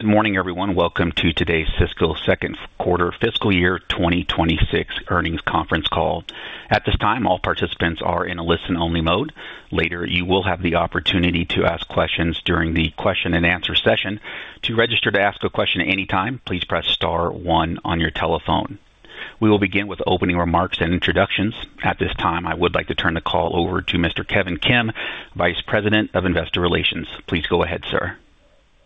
Good morning, everyone. Welcome to today's Sysco second quarter fiscal year 2026 earnings conference call. At this time, all participants are in a listen-only mode. Later, you will have the opportunity to ask questions during the question-and-answer session. To register to ask a question at any time, please press star one on your telephone. We will begin with opening remarks and introductions. At this time, I would like to turn the call over to Mr. Kevin Kim, Vice President of Investor Relations. Please go ahead, sir.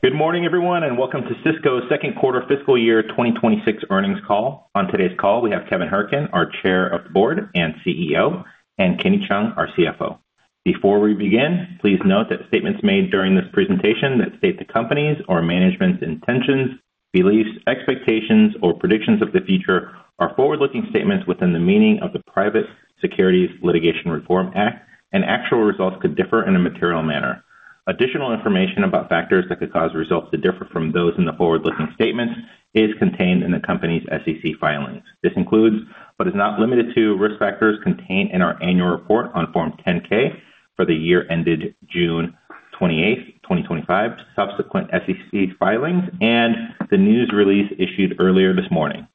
Good morning, everyone, and welcome to Sysco second quarter fiscal year 2026 earnings call. On today's call, we have Kevin Hourican, our Chair of the Board and CEO, and Kenny Cheung, our CFO. Before we begin, please note that statements made during this presentation that state the company's or management's intentions, beliefs, expectations, or predictions of the future are forward-looking statements within the meaning of the Private Securities Litigation Reform Act, and actual results could differ in a material manner. Additional information about factors that could cause results to differ from those in the forward-looking statements is contained in the company's SEC filings. This includes, but is not limited to, risk factors contained in our annual report on Form 10-K for the year ended June 28, 2025, subsequent SEC filings, and the news release issued earlier this morning.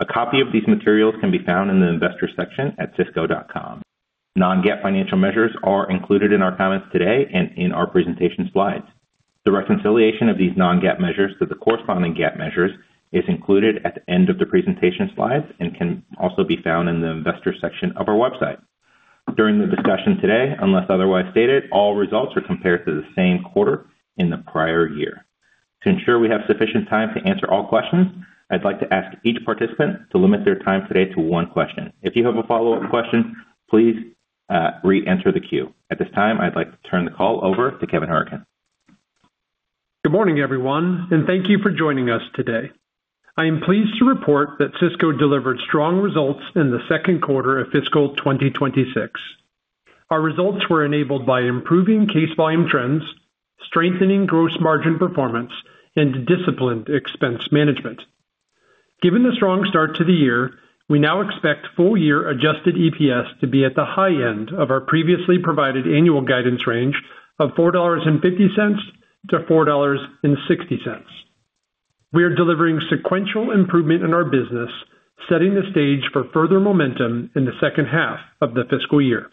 A copy of these materials can be found in the Investors section at sysco.com. Non-GAAP financial measures are included in our comments today and in our presentation slides. The reconciliation of these non-GAAP measures to the corresponding GAAP measures is included at the end of the presentation slides and can also be found in the Investors section of our website. During the discussion today, unless otherwise stated, all results are compared to the same quarter in the prior year. To ensure we have sufficient time to answer all questions, I'd like to ask each participant to limit their time today to one question. If you have a follow-up question, please, reenter the queue. At this time, I'd like to turn the call over to Kevin Hourican. Good morning, everyone, and thank you for joining us today. I am pleased to report that Sysco delivered strong results in the second quarter of fiscal 2026. Our results were enabled by improving case volume trends, strengthening gross margin performance, and disciplined expense management. Given the strong start to the year, we now expect full-year Adjusted EPS to be at the high end of our previously provided annual guidance range of $4.50-$4.60. We are delivering sequential improvement in our business, setting the stage for further momentum in the second half of the fiscal year.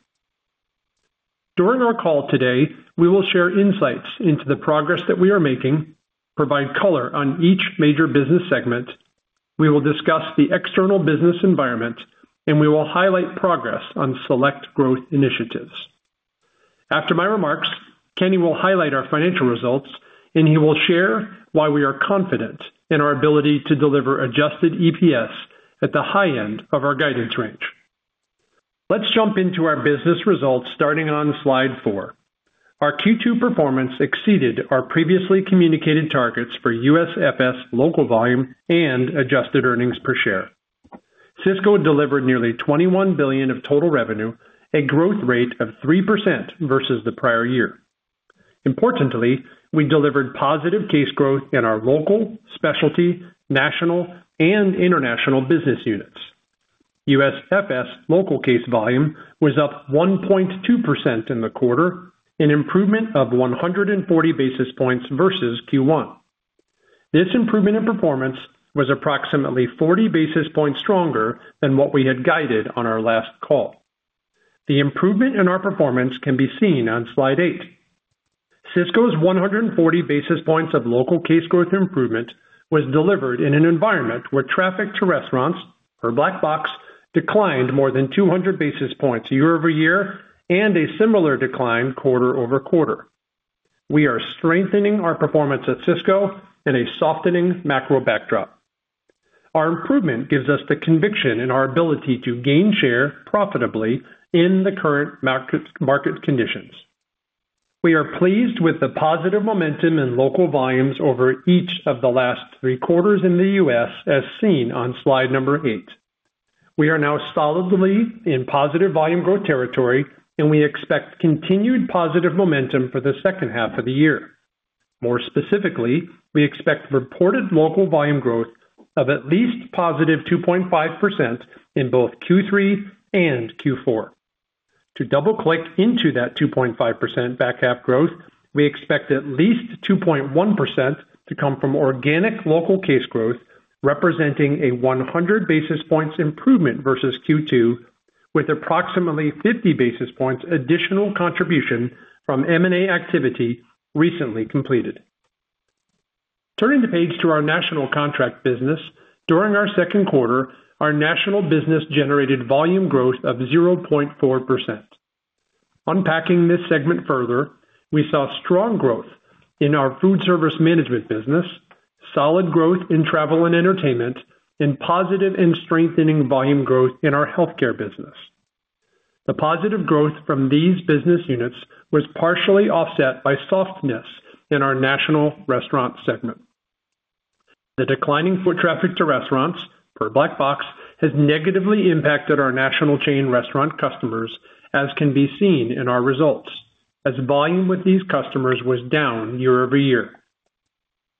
During our call today, we will share insights into the progress that we are making, provide color on each major business segment. We will discuss the external business environment, and we will highlight progress on select growth initiatives. After my remarks, Kenny will highlight our financial results, and he will share why we are confident in our ability to deliver Adjusted EPS at the high end of our guidance range. Let's jump into our business results, starting on Slide 4. Our Q2 performance exceeded our previously communicated targets for USFS Local volume and adjusted earnings per share. Sysco delivered nearly $21 billion of total revenue, a growth rate of 3% versus the prior year. Importantly, we delivered positive case growth in our Local, Specialty, National, and International business units. USFS Local case volume was up 1.2% in the quarter, an improvement of 140 basis points versus Q1. This improvement in performance was approximately 40 basis points stronger than what we had guided on our last call. The improvement in our performance can be seen on Slide 8. Sysco's 140 basis points of Local case growth improvement was delivered in an environment where traffic to restaurants or Black Box declined more than 200 basis points year-over-year and a similar decline quarter-over-quarter. We are strengthening our performance at Sysco in a softening macro backdrop. Our improvement gives us the conviction in our ability to gain share profitably in the current market, market conditions. We are pleased with the positive momentum in Local volumes over each of the last three quarters in the US, as seen on Slide number 8. We are now solidly in positive volume growth territory, and we expect continued positive momentum for the second half of the year. More specifically, we expect reported Local volume growth of at least positive 2.5% in both Q3 and Q4. To double-click into that 2.5% back half growth, we expect at least 2.1% to come from organic Local case growth, representing a 100 basis points improvement versus Q2, with approximately 50 basis points additional contribution from M&A activity recently completed. Turning the page to our National contract business, during our second quarter, our National business generated volume growth of 0.4%. Unpacking this segment further, we saw strong growth in our food service management business, solid growth in travel and entertainment, and positive and strengthening volume growth in our healthcare business. The positive growth from these business units was partially offset by softness in our National restaurant segment. The declining foot traffic to restaurants per Black Box has negatively impacted our National chain restaurant customers, as can be seen in our results, as volume with these customers was down year-over-year.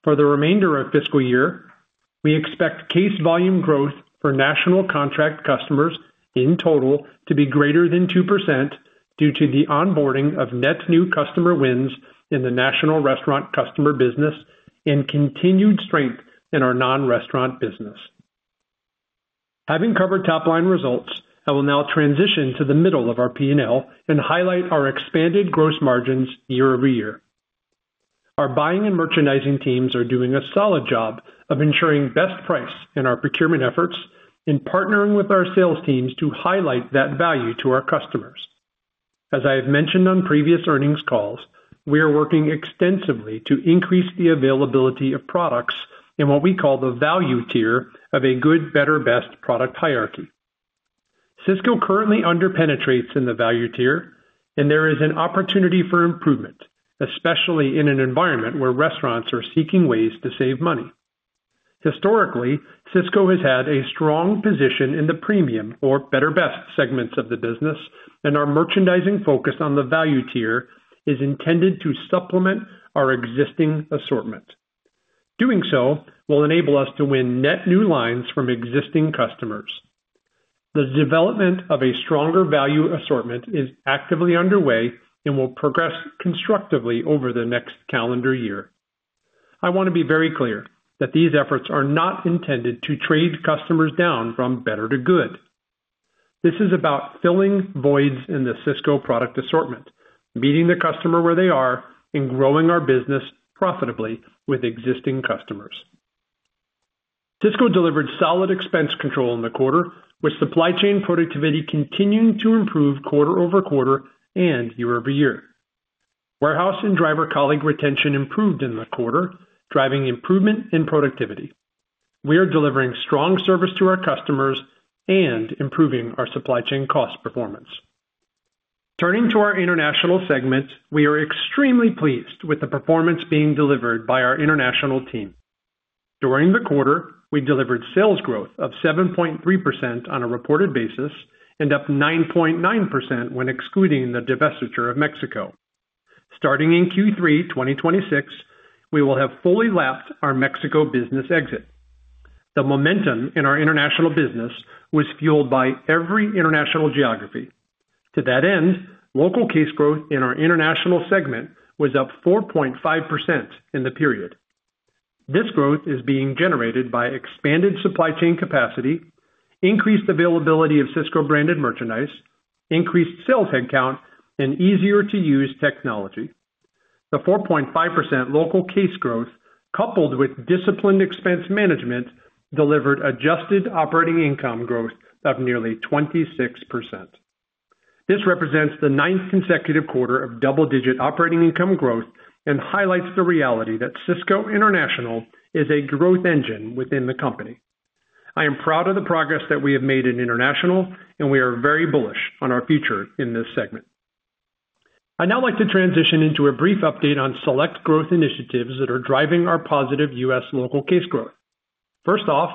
For the remainder of fiscal year, we expect case volume growth for National contract customers in total to be greater than 2% due to the onboarding of net new customer wins in the National restaurant customer business and continued strength in our non-restaurant business. Having covered top-line results, I will now transition to the middle of our P&L and highlight our expanded gross margins year-over-year. Our buying and merchandising teams are doing a solid job of ensuring best price in our procurement efforts, and partnering with our sales teams to highlight that value to our customers. As I have mentioned on previous earnings calls, we are working extensively to increase the availability of products in what we call the value tier of a Good, Better, Best product hierarchy. Sysco currently under-penetrates in the value tier, and there is an opportunity for improvement, especially in an environment where restaurants are seeking ways to save money. Historically, Sysco has had a strong position in the premium or Better, Best segments of the business, and our merchandising focus on the value tier is intended to supplement our existing assortment. Doing so will enable us to win net new lines from existing customers. The development of a stronger value assortment is actively underway and will progress constructively over the next calendar year. I want to be very clear that these efforts are not intended to trade customers down from Better to Good. This is about filling voids in the Sysco product assortment, meeting the customer where they are, and growing our business profitably with existing customers. Sysco delivered solid expense control in the quarter, with supply chain productivity continuing to improve quarter-over-quarter and year-over-year. Warehouse and driver colleague retention improved in the quarter, driving improvement in productivity. We are delivering strong service to our customers and improving our supply chain cost performance. Turning to our International segment, we are extremely pleased with the performance being delivered by our International team. During the quarter, we delivered sales growth of 7.3% on a reported basis and up 9.9% when excluding the divestiture of Mexico. Starting in Q3 2026, we will have fully lapped our Mexico business exit. The momentum in our International business was fueled by every International geography. To that end, Local case growth in our International segment was up 4.5% in the period. This growth is being generated by expanded supply chain capacity, increased availability of Sysco-branded merchandise, increased sales headcount, and easier-to-use technology. The 4.5% Local case growth, coupled with disciplined expense management, delivered Adjusted Operating Income growth of nearly 26%. This represents the ninth consecutive quarter of double-digit operating income growth and highlights the reality that Sysco International is a growth engine within the company. I am proud of the progress that we have made in International, and we are very bullish on our future in this segment. I'd now like to transition into a brief update on select growth initiatives that are driving our positive U.S. Local case growth. First off,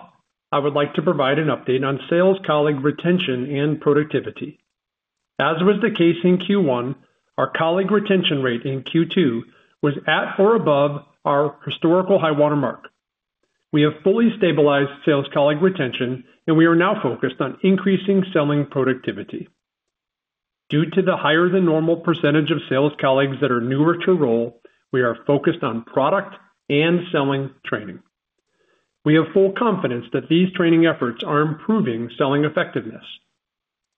I would like to provide an update on sales colleague retention and productivity. As was the case in Q1, our colleague retention rate in Q2 was at or above our historical high-water mark. We have fully stabilized sales colleague retention, and we are now focused on increasing selling productivity. Due to the higher-than-normal percentage of sales colleagues that are newer to role, we are focused on product and selling training. We have full confidence that these training efforts are improving selling effectiveness.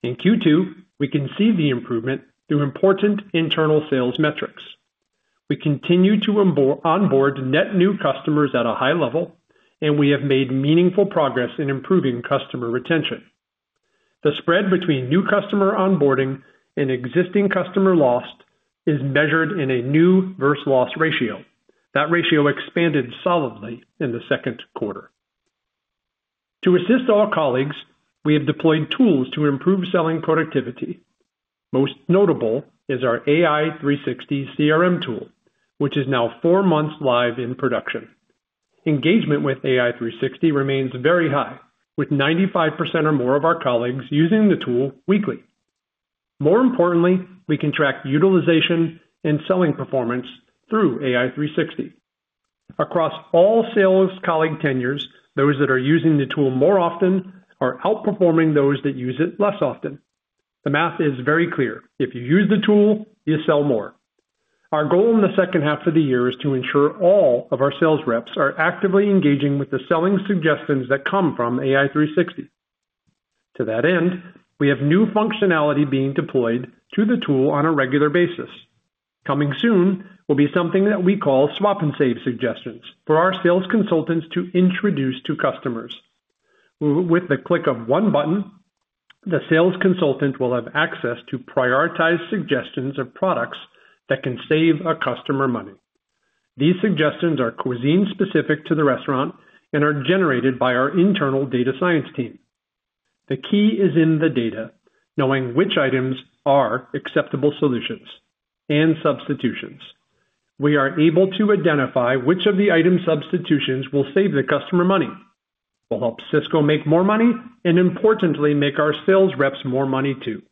In Q2, we can see the improvement through important internal sales metrics. We continue to onboard net new customers at a high level, and we have made meaningful progress in improving customer retention. The spread between new customer onboarding and existing customer loss is measured in a new versus loss ratio. That ratio expanded solidly in the second quarter. To assist all colleagues, we have deployed tools to improve selling productivity. Most notable is our AI 360 CRM tool, which is now 4 months live in production. Engagement with AI 360 remains very high, with 95% or more of our colleagues using the tool weekly. More importantly, we can track utilization and selling performance through AI 360. Across all sales colleague tenures, those that are using the tool more often are outperforming those that use it less often. The math is very clear: If you use the tool, you sell more. Our goal in the second half of the year is to ensure all of our sales reps are actively engaging with the selling suggestions that come from AI 360. To that end, we have new functionality being deployed to the tool on a regular basis. Coming soon will be something that we call Swap and Save suggestions for our sales consultants to introduce to customers. With the click of one button, the sales consultant will have access to prioritized suggestions of products that can save a customer money. These suggestions are cuisine specific to the restaurant and are generated by our internal data science team. The key is in the data, knowing which items are acceptable solutions and substitutions. We are able to identify which of the item substitutions will save the customer money, will help Sysco make more money, and importantly, make our sales reps more money, too.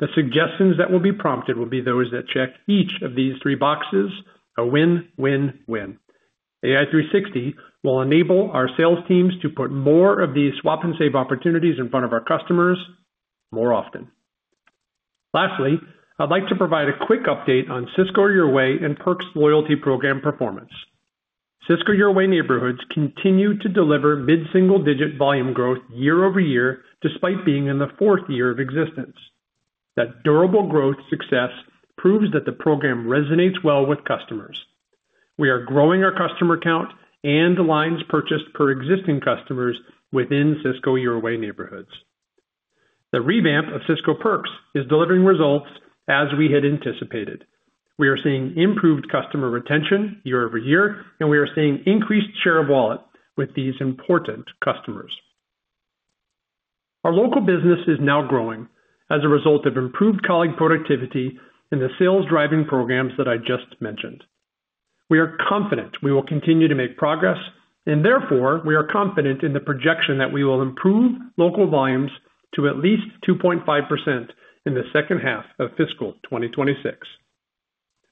The suggestions that will be prompted will be those that check each of these three boxes, a win, win, win. AI 360 will enable our sales teams to put more of these swap and save opportunities in front of our customers more often. Lastly, I'd like to provide a quick update on Sysco Your Way and Perks Loyalty Program performance. Sysco Your Way neighborhoods continue to deliver mid-single-digit volume growth year-over-year, despite being in the fourth year of existence. That durable growth success proves that the program resonates well with customers. We are growing our customer count and the lines purchased per existing customers within Sysco Your Way neighborhoods. The revamp of Sysco Perks is delivering results as we had anticipated. We are seeing improved customer retention year-over-year, and we are seeing increased share of wallet with these important customers. Our Local business is now growing as a result of improved colleague productivity and the sales-driving programs that I just mentioned. We are confident we will continue to make progress, and therefore, we are confident in the projection that we will improve Local volumes to at least 2.5% in the second half of fiscal 2026.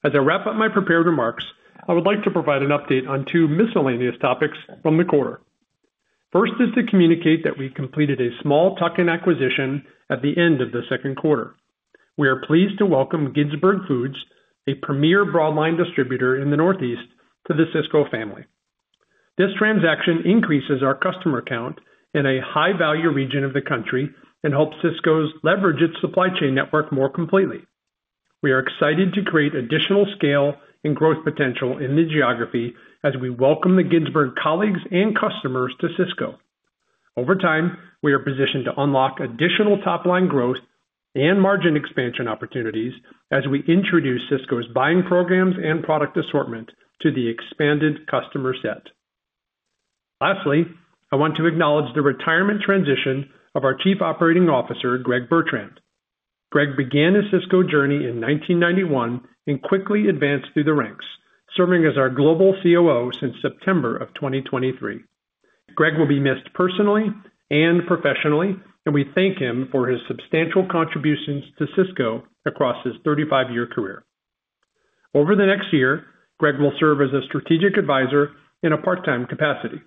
As I wrap up my prepared remarks, I would like to provide an update on two miscellaneous topics from the quarter. First is to communicate that we completed a small tuck-in acquisition at the end of the second quarter. We are pleased to welcome Ginsberg's Foods, a premier broadline distributor in the Northeast, to the Sysco family. This transaction increases our customer count in a high-value region of the country and helps Sysco's leverage its supply chain network more completely. We are excited to create additional scale and growth potential in the geography as we welcome the Ginsberg's colleagues and customers to Sysco. Over time, we are positioned to unlock additional top-line growth and margin expansion opportunities as we introduce Sysco's buying programs and product assortment to the expanded customer set. Lastly, I want to acknowledge the retirement transition of our Chief Operating Officer, Greg Bertrand. Greg began his Sysco journey in 1991 and quickly advanced through the ranks, serving as our Global COO since September of 2023. Greg will be missed personally and professionally, and we thank him for his substantial contributions to Sysco across his 35-year career. Over the next year, Greg will serve as a strategic advisor in a part-time capacity.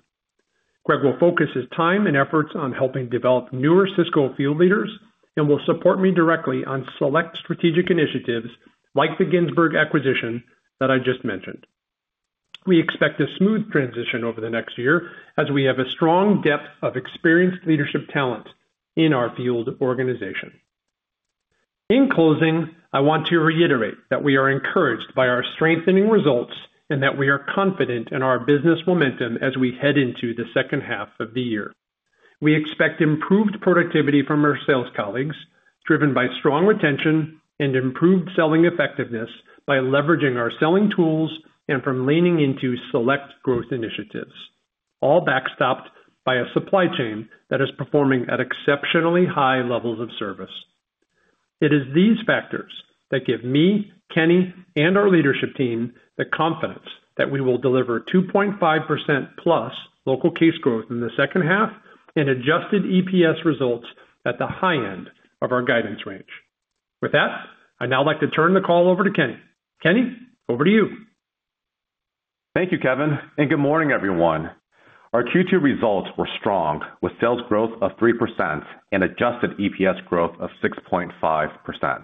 Greg will focus his time and efforts on helping develop newer Sysco field leaders and will support me directly on select strategic initiatives like the Ginsberg's acquisition that I just mentioned. We expect a smooth transition over the next year, as we have a strong depth of experienced leadership talent in our field organization. In closing, I want to reiterate that we are encouraged by our strengthening results and that we are confident in our business momentum as we head into the second half of the year. We expect improved productivity from our sales colleagues, driven by strong retention and improved selling effectiveness by leveraging our selling tools and from leaning into select growth initiatives, all backstopped by a supply chain that is performing at exceptionally high levels of service. It is these factors that give me, Kenny, and our leadership team the confidence that we will deliver 2.5%+ Local case growth in the second half and Adjusted EPS results at the high end of our guidance range. With that, I'd now like to turn the call over to Kenny. Kenny, over to you. Thank you, Kevin, and good morning, everyone. Our Q2 results were strong, with sales growth of 3% and Adjusted EPS growth of 6.5%.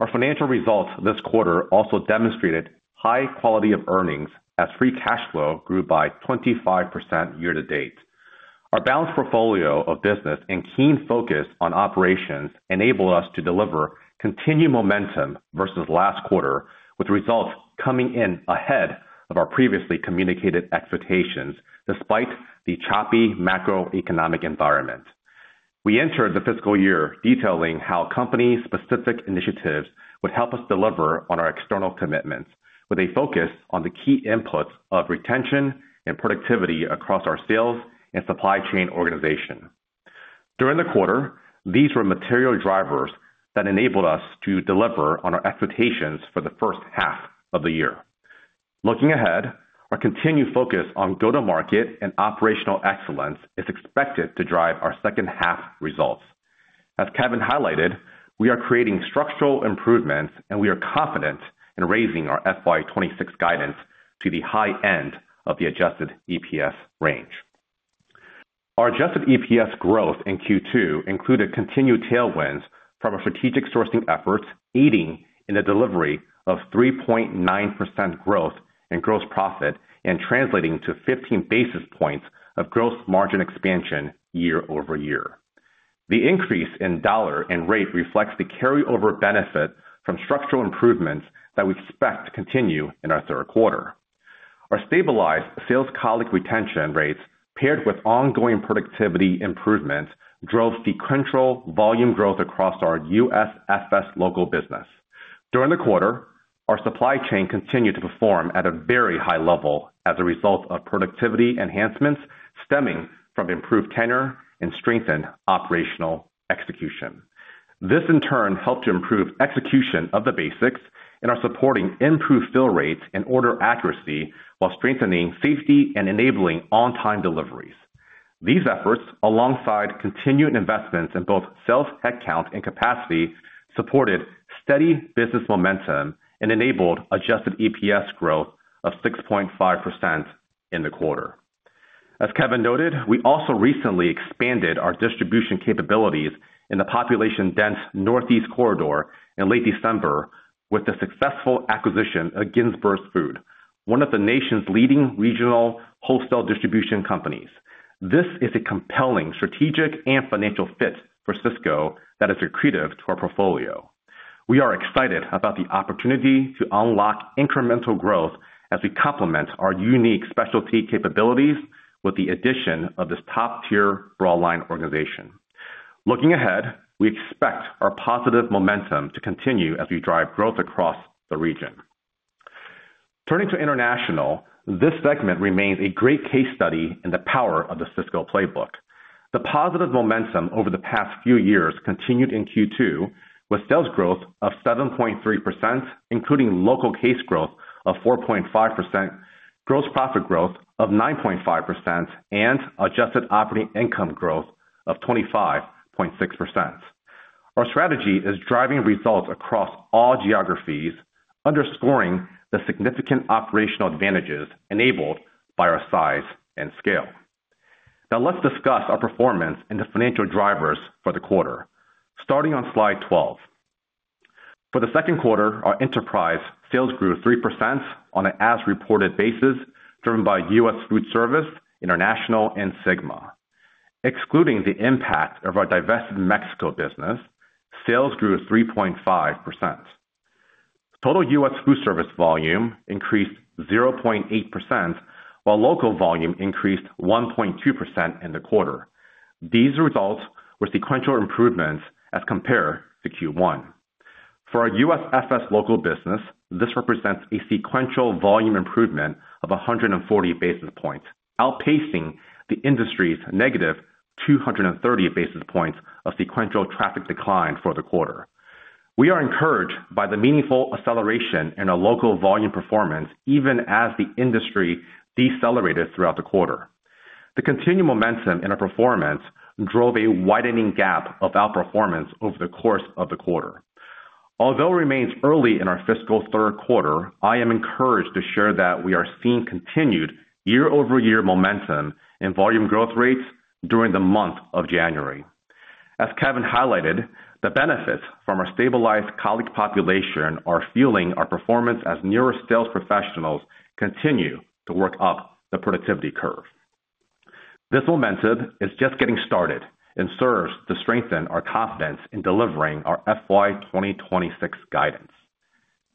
Our financial results this quarter also demonstrated high quality of earnings as free cash flow grew by 25% year-to-date. Our balanced portfolio of business and keen focus on operations enabled us to deliver continued momentum versus last quarter, with results coming in ahead of our previously communicated expectations, despite the choppy macroeconomic environment. We entered the fiscal year detailing how company-specific initiatives would help us deliver on our external commitments, with a focus on the key inputs of retention and productivity across our sales and supply chain organization. During the quarter, these were material drivers that enabled us to deliver on our expectations for the first half of the year. Looking ahead, our continued focus on go-to-market and operational excellence is expected to drive our second half results. As Kevin highlighted, we are creating structural improvements, and we are confident in raising our FY 2026 guidance to the high end of the Adjusted EPS range. Our Adjusted EPS growth in Q2 included continued tailwinds from our strategic sourcing efforts, aiding in the delivery of 3.9% growth in gross profit and translating to 15 basis points of gross margin expansion year-over-year. The increase in dollar and rate reflects the carryover benefit from structural improvements that we expect to continue in our third quarter. Our stabilized sales colleague retention rates, paired with ongoing productivity improvements, drove sequential volume growth across our USFS Local business. During the quarter, our supply chain continued to perform at a very high level as a result of productivity enhancements stemming from improved tenure and strengthened operational execution. This, in turn, helped to improve execution of the basics and are supporting improved fill rates and order accuracy while strengthening safety and enabling on-time deliveries. These efforts, alongside continued investments in both sales, headcount, and capacity, supported steady business momentum and enabled Adjusted EPS growth of 6.5% in the quarter. As Kevin noted, we also recently expanded our distribution capabilities in the population-dense Northeast Corridor in late December, with the successful acquisition of Ginsberg's Foods, one of the nation's leading regional wholesale distribution companies. This is a compelling strategic and financial fit for Sysco that is accretive to our portfolio. We are excited about the opportunity to unlock incremental growth as we complement our unique Specialty capabilities with the addition of this top-tier broad line organization. Looking ahead, we expect our positive momentum to continue as we drive growth across the region. Turning to International, this segment remains a great case study in the power of the Sysco playbook. The positive momentum over the past few years continued in Q2, with sales growth of 7.3%, including Local case growth of 4.5%, gross profit growth of 9.5%, and Adjusted Operating Income growth of 25.6%. Our strategy is driving results across all geographies, underscoring the significant operational advantages enabled by our size and scale. Now let's discuss our performance and the financial drivers for the quarter. Starting on Slide 12. For the second quarter, our enterprise sales grew 3% on an as-reported basis, driven by U.S. Foodservice, International, and SYGMA. Excluding the impact of our divested Mexico business, sales grew 3.5%. Total U.S. Foodservice volume increased 0.8%, while Local volume increased 1.2% in the quarter. These results were sequential improvements as compared to Q1. For our USFS Local business, this represents a sequential volume improvement of 140 basis points, outpacing the industry's -230 basis points of sequential traffic decline for the quarter. We are encouraged by the meaningful acceleration in our Local volume performance, even as the industry decelerated throughout the quarter. The continued momentum in our performance drove a widening gap of outperformance over the course of the quarter. Although it remains early in our fiscal third quarter, I am encouraged to share that we are seeing continued year-over-year momentum in volume growth rates during the month of January. As Kevin highlighted, the benefits from our stabilized colleague population are fueling our performance as newer sales professionals continue to work up the productivity curve. This momentum is just getting started and serves to strengthen our confidence in delivering our FY 2026 guidance.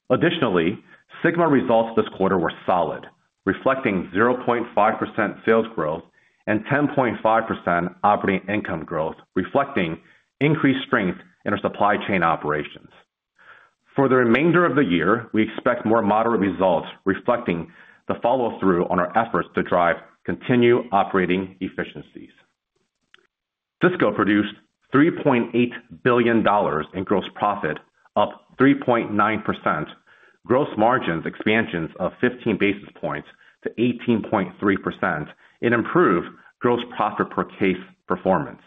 Additionally, SYGMA results this quarter were solid, reflecting 0.5% sales growth and 10.5% operating income growth, reflecting increased strength in our supply chain operations. For the remainder of the year, we expect more moderate results, reflecting the follow-through on our efforts to drive continued operating efficiencies. Sysco produced $3.8 billion in gross profit, up 3.9%. Gross margins expansions of 15 basis points to 18.3%, and improved gross profit per case performance.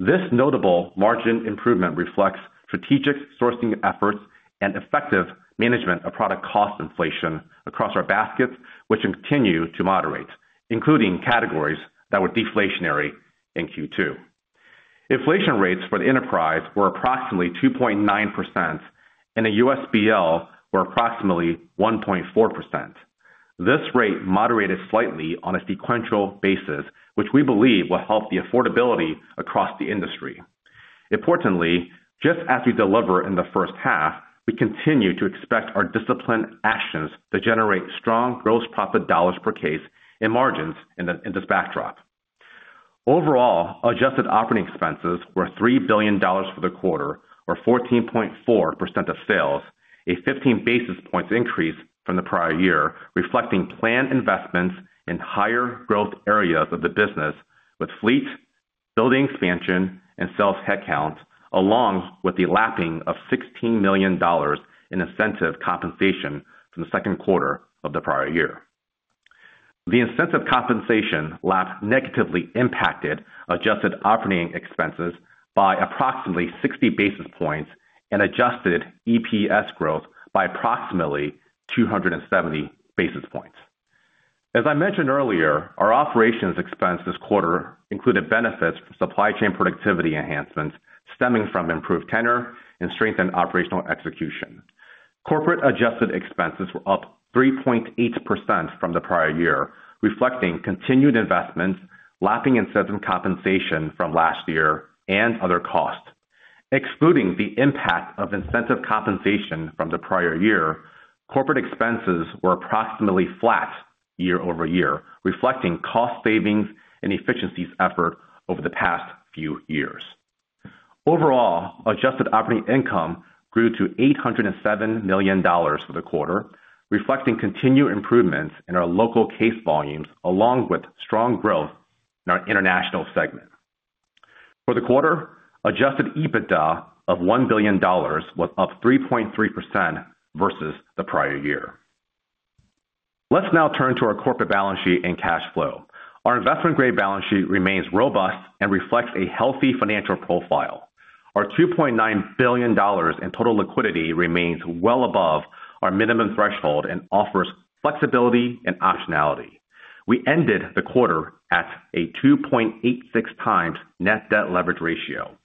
This notable margin improvement reflects strategic sourcing efforts and effective management of product cost inflation across our baskets, which continue to moderate, including categories that were deflationary in Q2. Inflation rates for the enterprise were approximately 2.9%, and the USBL were approximately 1.4%. This rate moderated slightly on a sequential basis, which we believe will help the affordability across the industry. Importantly, just as we deliver in the first half, we continue to expect our disciplined actions to generate strong gross profit dollars per case and margins in this backdrop. Overall, Adjusted Operating Expenses were $3 billion for the quarter, or 14.4% of sales, a 15 basis points increase from the prior year, reflecting planned investments in higher growth areas of the business with fleet, building expansion, and sales headcount, along with the lapping of $16 million in incentive compensation from the second quarter of the prior year. The incentive compensation lap negatively impacted Adjusted Operating Expenses by approximately 60 basis points and Adjusted EPS growth by approximately 270 basis points. As I mentioned earlier, our operations expense this quarter included benefits from supply chain productivity enhancements stemming from improved tenure and strengthened operational execution. Corporate adjusted expenses were up 3.8% from the prior year, reflecting continued investments, lapping incentive compensation from last year, and other costs. Excluding the impact of incentive compensation from the prior year, corporate expenses were approximately flat year-over-year, reflecting cost savings and efficiencies effort over the past few years. Overall, Adjusted Operating Income grew to $807 million for the quarter, reflecting continued improvements in our Local case volumes along with strong growth in our International segment. For the quarter, Adjusted EBITDA of $1 billion was up 3.3% versus the prior year. Let's now turn to our corporate balance sheet and cash flow. Our investment-grade balance sheet remains robust and reflects a healthy financial profile. Our $2.9 billion in total liquidity remains well above our minimum threshold and offers flexibility and optionality. We ended the quarter at a 2.86x net debt leverage ratio.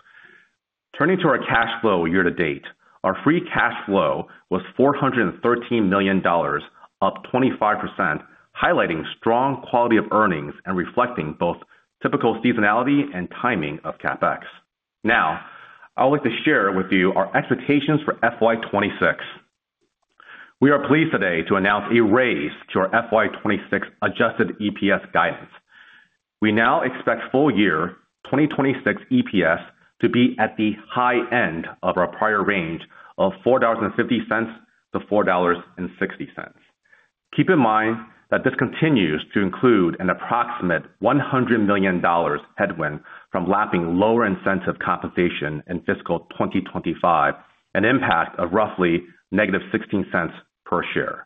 Turning to our cash flow year to date, our free cash flow was $413 million, up 25%, highlighting strong quality of earnings and reflecting both typical seasonality and timing of CapEx. Now, I would like to share with you our expectations for FY 2026. We are pleased today to announce a raise to our FY 2026 Adjusted EPS guidance. We now expect full year 2026 EPS to be at the high end of our prior range of $4.50-$4.60. Keep in mind that this continues to include an approximate $100 million headwind from lapping lower incentive compensation in fiscal 2025, an impact of roughly -$0.16 per share.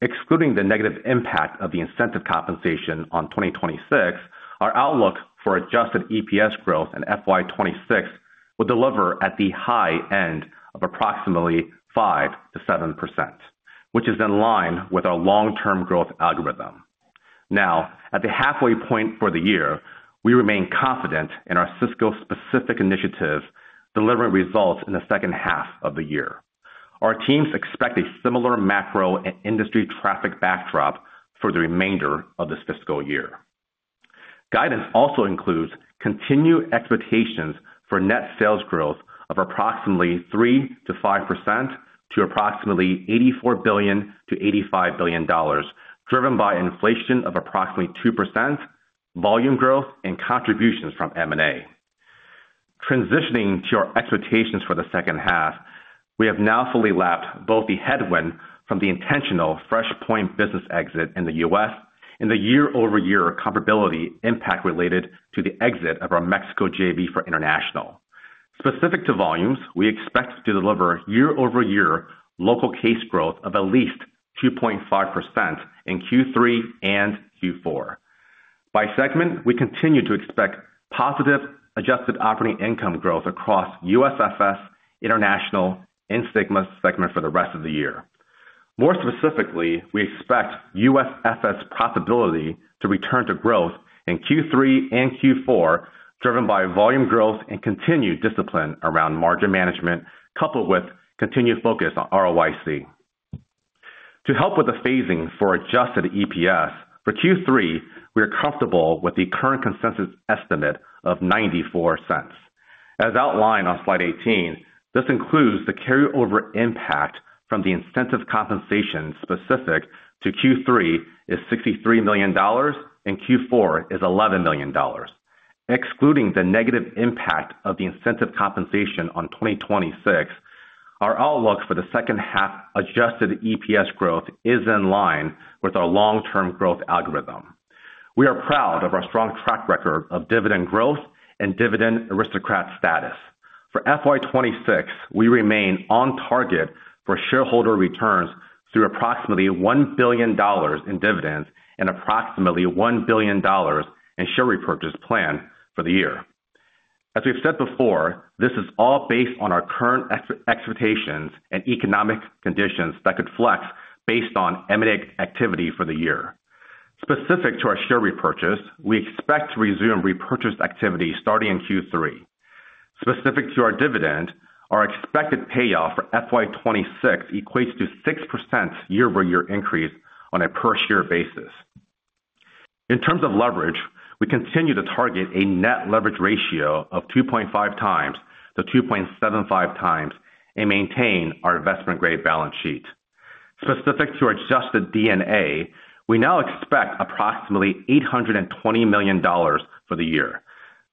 Excluding the negative impact of the incentive compensation on 2026, our outlook for Adjusted EPS growth in FY 2026 will deliver at the high end of approximately 5%-7%, which is in line with our long-term growth algorithm. Now, at the halfway point for the year, we remain confident in our Sysco-specific initiatives, delivering results in the second half of the year. Our teams expect a similar macro and industry traffic backdrop for the remainder of this fiscal year. Guidance also includes continued expectations for net sales growth of approximately 3%-5% to approximately $84 billion-$85 billion, driven by inflation of approximately 2%, volume growth, and contributions from M&A. Transitioning to our expectations for the second half, we have now fully lapped both the headwind from the intentional FreshPoint business exit in the U.S. and the year-over-year comparability impact related to the exit of our Mexico JV for International. Specific to volumes, we expect to deliver year-over-year Local case growth of at least 2.5% in Q3 and Q4. By segment, we continue to expect positive Adjusted Operating Income growth across USFS, International, and SYGMA segment for the rest of the year. More specifically, we expect USFS profitability to return to growth in Q3 and Q4, driven by volume growth and continued discipline around margin management, coupled with continued focus on ROIC. To help with the phasing for Adjusted EPS, for Q3, we are comfortable with the current consensus estimate of $0.94. As outlined on Slide 18, this includes the carryover impact from the incentive compensation specific to Q3 is $63 million, and Q4 is $11 million. Excluding the negative impact of the incentive compensation on 2026, our outlook for the second half Adjusted EPS growth is in line with our long-term growth algorithm. We are proud of our strong track record of dividend growth and Dividend Aristocrat status. For FY 2026, we remain on target for shareholder returns through approximately $1 billion in dividends and approximately $1 billion in share repurchase plan for the year. As we've said before, this is all based on our current expectations and economic conditions that could flex based on M&A activity for the year. Specific to our share repurchase, we expect to resume repurchase activity starting in Q3. Specific to our dividend, our expected payout for FY 2026 equates to 6% year-over-year increase on a per share basis. In terms of leverage, we continue to target a net leverage ratio of 2.5x-2.75x and maintain our investment grade balance sheet. Specific to our Adjusted D&A, we now expect approximately $820 million for the year.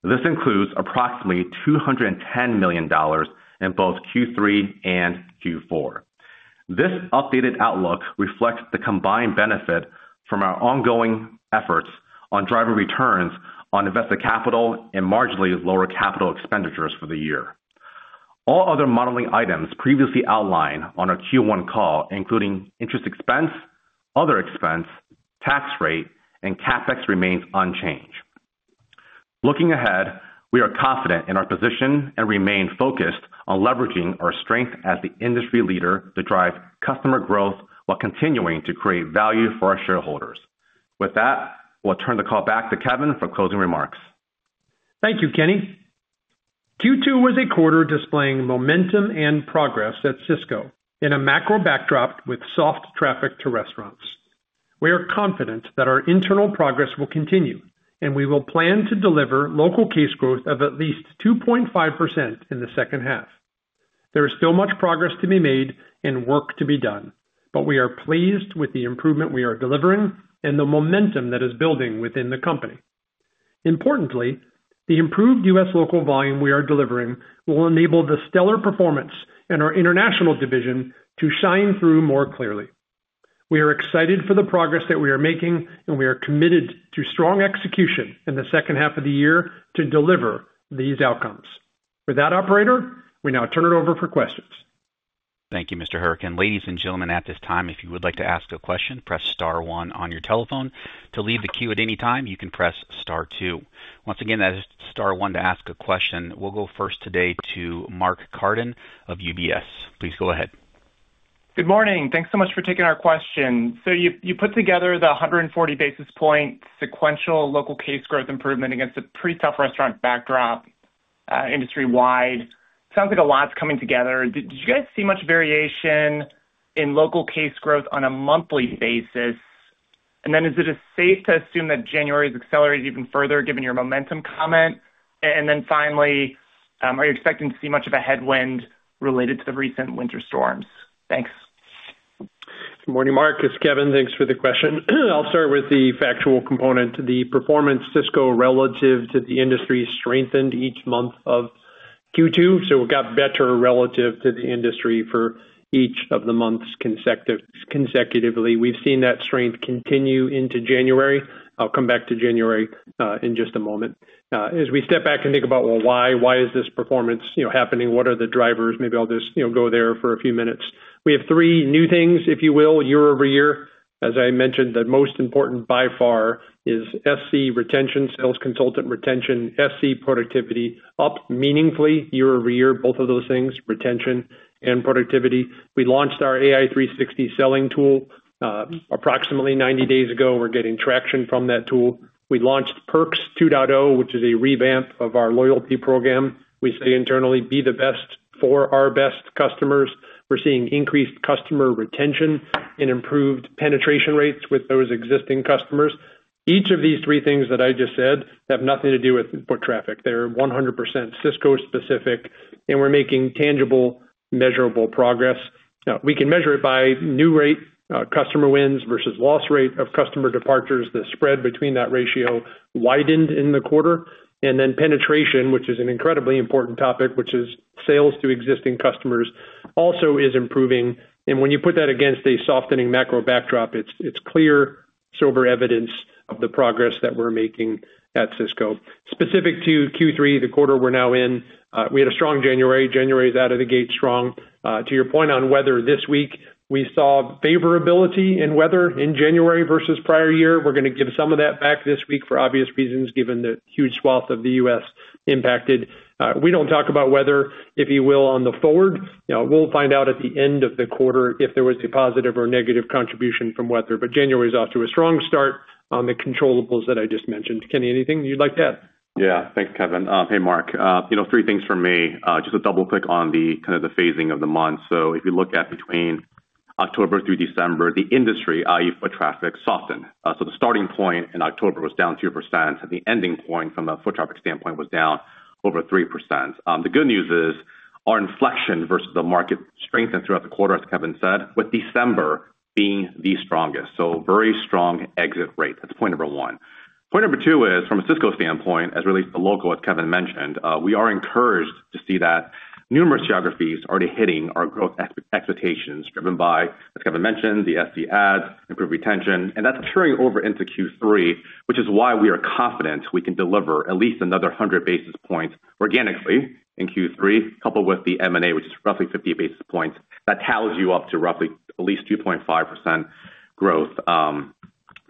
This includes approximately $210 million in both Q3 and Q4. This updated outlook reflects the combined benefit from our ongoing efforts on drive returns on invested capital and marginally lower capital expenditures for the year. All other modeling items previously outlined on our Q1 call, including interest expense, other expense, tax rate, and CapEx remains unchanged. Looking ahead, we are confident in our position and remain focused on leveraging our strength as the industry leader to drive customer growth while continuing to create value for our shareholders. With that, we'll turn the call back to Kevin for closing remarks. Thank you, Kenny. Q2 was a quarter displaying momentum and progress at Sysco in a macro backdrop with soft traffic to restaurants. We are confident that our internal progress will continue, and we will plan to deliver Local case growth of at least 2.5% in the second half. There is still much progress to be made and work to be done, but we are pleased with the improvement we are delivering and the momentum that is building within the company. Importantly, the improved U.S. Local volume we are delivering will enable the stellar performance in our International division to shine through more clearly. We are excited for the progress that we are making, and we are committed to strong execution in the second half of the year to deliver these outcomes. With that, operator, we now turn it over for questions. Thank you, Mr. Hourican. Ladies and gentlemen, at this time, if you would like to ask a question, press star one on your telephone. To leave the queue at any time, you can press star two. Once again, that is star one to ask a question. We'll go first today to Mark Carden of UBS. Please go ahead. Good morning. Thanks so much for taking our question. So you put together the 140 basis points sequential Local case growth improvement against a pretty tough restaurant backdrop, industry wide. Sounds like a lot's coming together. Did you guys see much variation in Local case growth on a monthly basis? And then is it safe to assume that January's accelerated even further, given your momentum comment? And then finally, are you expecting to see much of a headwind related to the recent winter storms? Thanks. Good morning, Mark. It's Kevin. Thanks for the question. I'll start with the factual component. The performance of Sysco, relative to the industry, strengthened each month of Q2, so it got better relative to the industry for each of the months consecutively. We've seen that strength continue into January. I'll come back to January in just a moment. As we step back and think about, well, why? Why is this performance, you know, happening? What are the drivers? Maybe I'll just, you know, go there for a few minutes. We have three new things, if you will, year-over-year. As I mentioned, the most important by far is SC retention, sales consultant retention, SC productivity, up meaningfully year-over-year, both of those things, retention and productivity. We launched our AI 360 selling tool approximately 90 days ago. We're getting traction from that tool. We launched Perks 2.0, which is a revamp of our loyalty program. We say internally, "Be the best for our best customers." We're seeing increased customer retention and improved penetration rates with those existing customers. Each of these three things that I just said have nothing to do with foot traffic. They're 100% Sysco specific, and we're making tangible, measurable progress. We can measure it by new rate customer wins versus loss rate of customer departures. The spread between that ratio widened in the quarter. And then penetration, which is an incredibly important topic, which is sales to existing customers, also is improving. And when you put that against a softening macro backdrop, it's clear, solid evidence of the progress that we're making at Sysco. Specific to Q3, the quarter we're now in, we had a strong January. January is out of the gate strong. To your point on weather, this week, we saw favorability in weather in January versus prior year. We're going to give some of that back this week for obvious reasons, given the huge swath of the U.S. impacted. We don't talk about weather, if you will, on the forward. Now, we'll find out at the end of the quarter if there was a positive or negative contribution from weather, but January is off to a strong start on the controllables that I just mentioned. Kenny, anything you'd like to add? Yeah. Thanks, Kevin. Hey, Mark, you know, three things for me. Just to double click on the kind of the phasing of the month. So if you look at between October through December, the industry, i.e., foot traffic, softened. So the starting point in October was down 2%, and the ending point from a foot traffic standpoint was down over 3%. The good news is our inflection versus the market strengthened throughout the quarter, as Kevin said, with December being the strongest, so very strong exit rate. That's point number one. Point number two is from a Sysco standpoint, as relates to Local, as Kevin mentioned, we are encouraged to see that numerous geographies already hitting our growth expectations driven by, as Kevin mentioned, the SC adds, improved retention, and that's carrying over into Q3, which is why we are confident we can deliver at least another 100 basis points organically in Q3, coupled with the M&A, which is roughly 50 basis points. That totals you up to roughly at least 2.5% growth,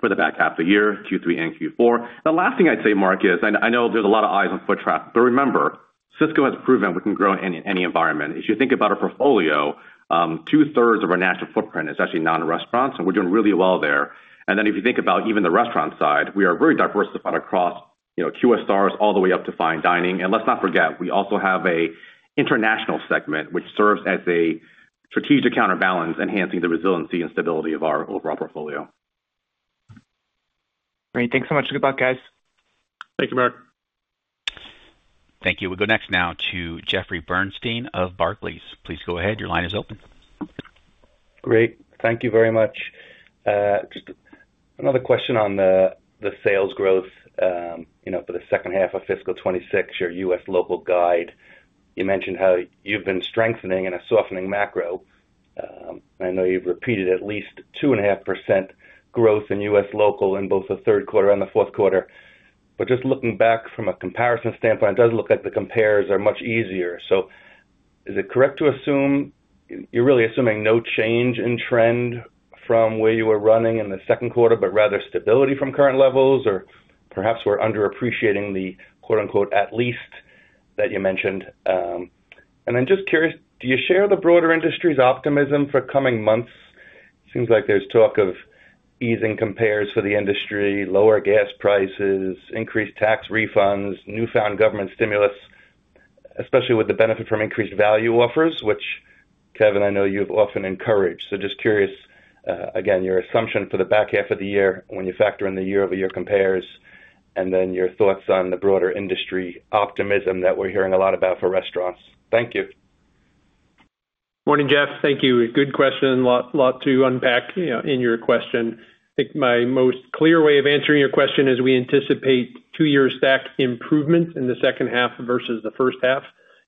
for the back half of the year, Q3 and Q4. The last thing I'd say, Mark, is I know there's a lot of eyes on foot traffic, but remember, Sysco has proven we can grow in any environment. If you think about our portfolio, two-thirds of our natural footprint is actually non-restaurants, and we're doing really well there. And then if you think about even the restaurant side, we are very diversified across, you know, QSRs, all the way up to fine dining. And let's not forget, we also have an International segment which serves as a strategic counterbalance, enhancing the resiliency and stability of our overall portfolio. Great. Thanks so much. Good luck, guys. Thank you, Mark. Thank you. We go next now to Jeffrey Bernstein of Barclays. Please go ahead. Your line is open. Great. Thank you very much. Just another question on the sales growth, you know, for the second half of fiscal 2026, your U.S. Local guide, you mentioned how you've been strengthening in a softening macro. I know you've repeated at least 2.5% growth in U.S. Local in both the third quarter and the fourth quarter, but just looking back from a comparison standpoint, it does look like the compares are much easier. So is it correct to assume you're really assuming no change in trend from where you were running in the second quarter, but rather stability from current levels? Or perhaps we're underappreciating the quote, unquote, "at least" that you mentioned. And I'm just curious, do you share the broader industry's optimism for coming months? Seems like there's talk of easing compares for the industry, lower gas prices, increased tax refunds, newfound government stimulus, especially with the benefit from increased value offers, which, Kevin, I know you've often encouraged. So just curious, again, your assumption for the back half of the year when you factor in the year-over-year compares, and then your thoughts on the broader industry optimism that we're hearing a lot about for restaurants. Thank you. Morning, Jeff. Thank you. A good question. Lot, lot to unpack, you know, in your question. I think my most clear way of answering your question is we anticipate two-year stack improvements in the second half versus the first half.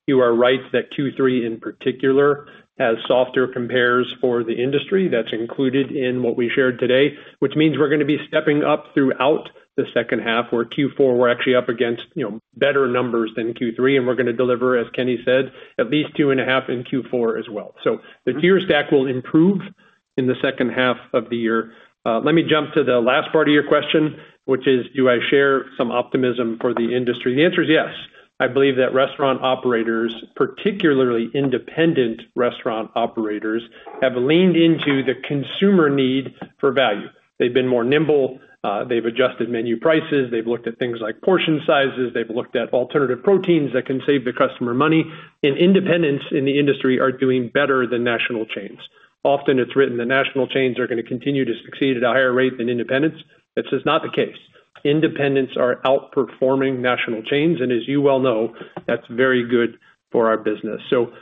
You are right that Q3, in particular, has softer compares for the industry. That's included in what we shared today, which means we're gonna be stepping up throughout the second half, where Q4, we're actually up against, you know, better numbers than Q3, and we're gonna deliver, as Kenny said, at least 2.5% in Q4 as well. So the two-year stack will improve in the second half of the year. Let me jump to the last part of your question, which is, do I share some optimism for the industry? The answer is yes. I believe that restaurant operators, particularly independent restaurant operators, have leaned into the consumer need for value. They've been more nimble, they've adjusted menu prices, they've looked at things like portion sizes, they've looked at alternative proteins that can save the customer money, and independents in the industry are doing better than National chains. Often it's written the National chains are gonna continue to succeed at a higher rate than independents. This is not the case. Independents are outperforming National chains, and as you well know, that's very good for our business. So,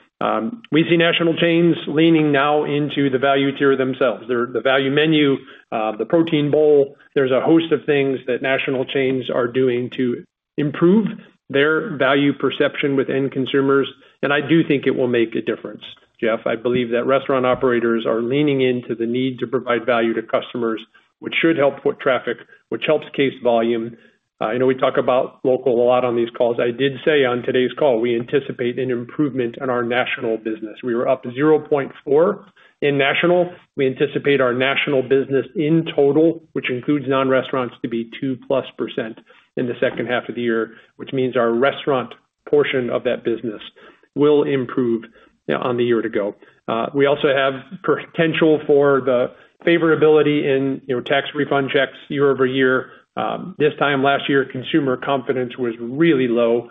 we see National chains leaning now into the value tier themselves. They're the value menu, the protein bowl. There's a host of things that National chains are doing to improve their value perception with end consumers, and I do think it will make a difference, Jeff. I believe that restaurant operators are leaning into the need to provide value to customers, which should help foot traffic, which helps case volume. I know we talk about Local a lot on these calls. I did say on today's call, we anticipate an improvement in our National business. We were up 0.4 in National. We anticipate our National business in total, which includes non-restaurants, to be 2%+ in the second half of the year, which means our restaurant portion of that business will improve on the year to go. We also have potential for the favorability in, you know, tax refund checks year-over-year. This time last year, consumer confidence was really low,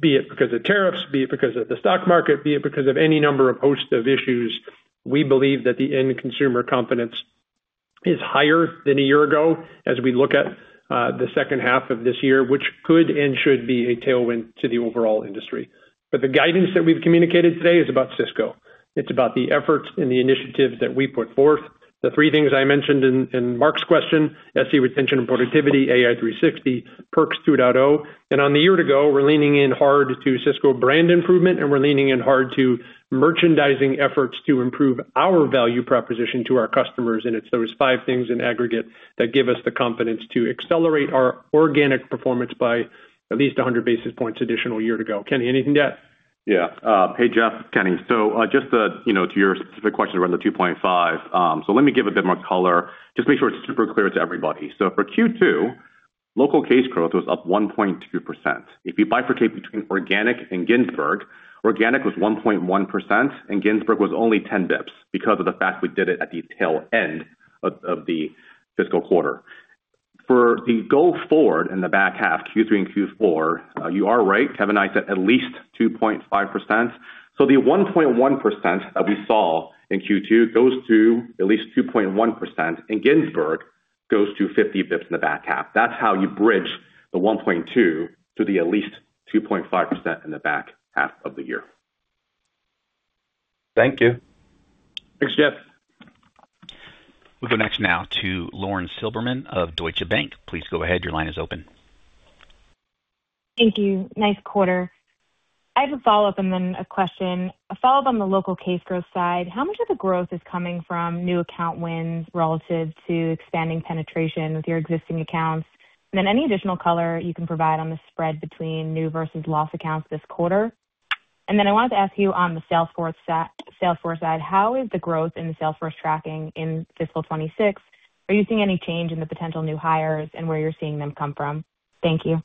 be it because of tariffs, be it because of the stock market, be it because of any number of host of issues. We believe that the end consumer confidence is higher than a year ago as we look at the second half of this year, which could and should be a tailwind to the overall industry. But the guidance that we've communicated today is about Sysco. It's about the efforts and the initiatives that we put forth. The three things I mentioned in Mark's question, SC retention and productivity, AI 360, Perks 2.0. And on the year to go, we're leaning in hard to Sysco Brand improvement, and we're leaning in hard to merchandising efforts to improve our value proposition to our customers. And it's those five things in aggregate that give us the confidence to accelerate our organic performance by at least 100 basis points additional year to go. Kenny, anything to add? Yeah. Hey, Jeff, Kenny. So, just to, you know, to your specific question around the 2.5%, so let me give a bit more color, just make sure it's super clear to everybody. So for Q2, Local case growth was up 1.2%. If you bifurcate between organic and Ginsberg's, organic was 1.1%, and Ginsberg's was only 10 bps because of the fact we did it at the tail end of the fiscal quarter. For the go forward in the back half, Q3 and Q4, you are right, Kevin and I said at least 2.5%. So the 1.1% that we saw in Q2 goes to at least 2.1%, and Ginsberg's goes to 50 bps in the back half. That's how you bridge the 1.2% to the at least 2.5% in the back half of the year. Thank you. Thanks, Jeff. We'll go next now to Lauren Silberman of Deutsche Bank. Please go ahead, your line is open. Thank you. Nice quarter. I have a follow-up and then a question. A follow-up on the Local case growth side, how much of the growth is coming from new account wins relative to expanding penetration with your existing accounts? And then any additional color you can provide on the spread between new versus loss accounts this quarter? And then I wanted to ask you on the sales force side, how is the growth in the sales force tracking in fiscal 2026? Are you seeing any change in the potential new hires and where you're seeing them come from? Thank you.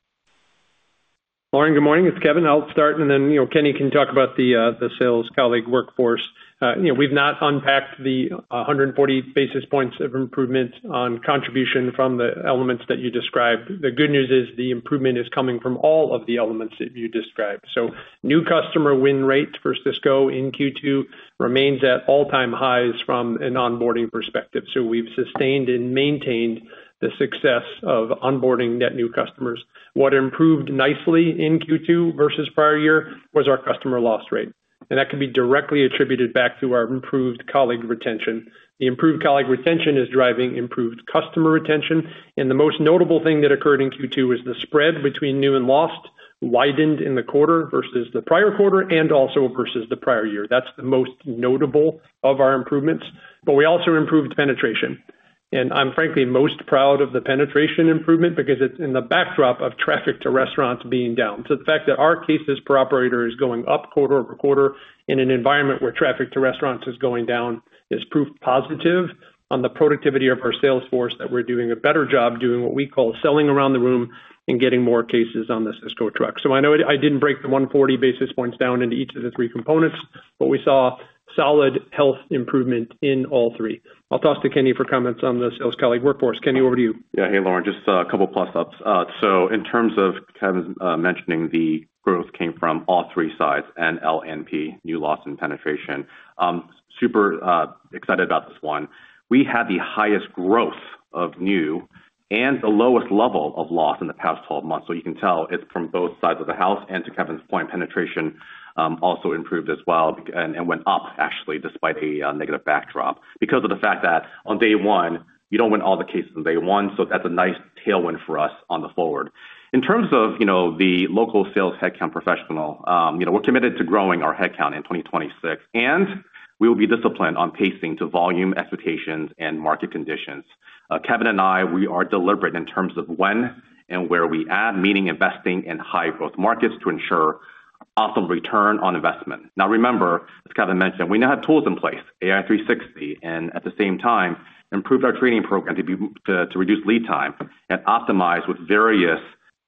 Lauren, good morning. It's Kevin. I'll start, and then, you know, Kenny can talk about the sales colleague workforce. You know, we've not unpacked the 140 basis points of improvement on contribution from the elements that you described. The good news is the improvement is coming from all of the elements that you described. So new customer win rates for Sysco in Q2 remains at all-time highs from an onboarding perspective. So we've sustained and maintained the success of onboarding net new customers. What improved nicely in Q2 versus prior year was our customer loss rate, and that can be directly attributed back to our improved colleague retention. The improved colleague retention is driving improved customer retention, and the most notable thing that occurred in Q2 was the spread between new and lost widened in the quarter versus the prior quarter and also versus the prior year. That's the most notable of our improvements, but we also improved penetration. I'm frankly most proud of the penetration improvement because it's in the backdrop of traffic to restaurants being down. The fact that our cases per operator is going up quarter-over-quarter in an environment where traffic to restaurants is going down is proof positive on the productivity of our sales force, that we're doing a better job doing what we call selling around the room and getting more cases on the Sysco truck. So I know I didn't break the 140 basis points down into each of the three components, but we saw solid health improvement in all three. I'll toss to Kenny for comments on the sales colleague workforce. Kenny, over to you. Yeah. Hey, Lauren, just a couple plus ups. So in terms of Kevin's mentioning, the growth came from all three sides, NLNP, new loss and penetration. Super excited about this one. We had the highest growth of new and the lowest level of loss in the past 12 months. So you can tell it's from both sides of the house, and to Kevin's point, penetration also improved as well and went up actually, despite a negative backdrop, because of the fact that on day one, you don't win all the cases on day one, so that's a nice tailwind for us on the forward. In terms of, you know, the Local sales headcount professional, you know, we're committed to growing our headcount in 2026, and we will be disciplined on pacing to volume expectations and market conditions. Kevin and I, we are deliberate in terms of when and where we add, meaning investing in high growth markets to ensure awesome return on investment. Now, remember, as Kevin mentioned, we now have tools in place, AI 360, and at the same time, improved our training program to be to reduce lead time and optimize with various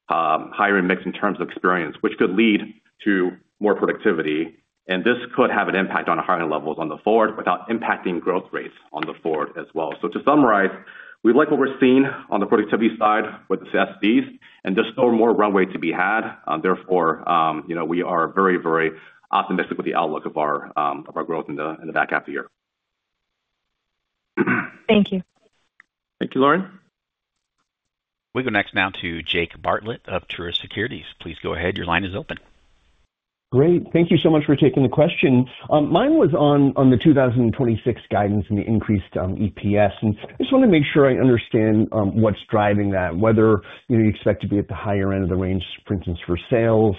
higher mix in terms of experience, which could lead to more productivity, and this could have an impact on the hiring levels on the forward, without impacting growth rates on the forward as well. So to summarize, we like what we're seeing on the productivity side with the SCs, and there's still more runway to be had. Therefore, you know, we are very, very optimistic with the outlook of our growth in the back half of the year. Thank you. Thank you, Lauren. We go next now to Jake Bartlett of Truist Securities. Please go ahead. Your line is open. Great. Thank you so much for taking the question. Mine was on the 2026 guidance and the increased EPS. And I just wanted to make sure I understand what's driving that, whether, you know, you expect to be at the higher end of the range, for instance, for sales.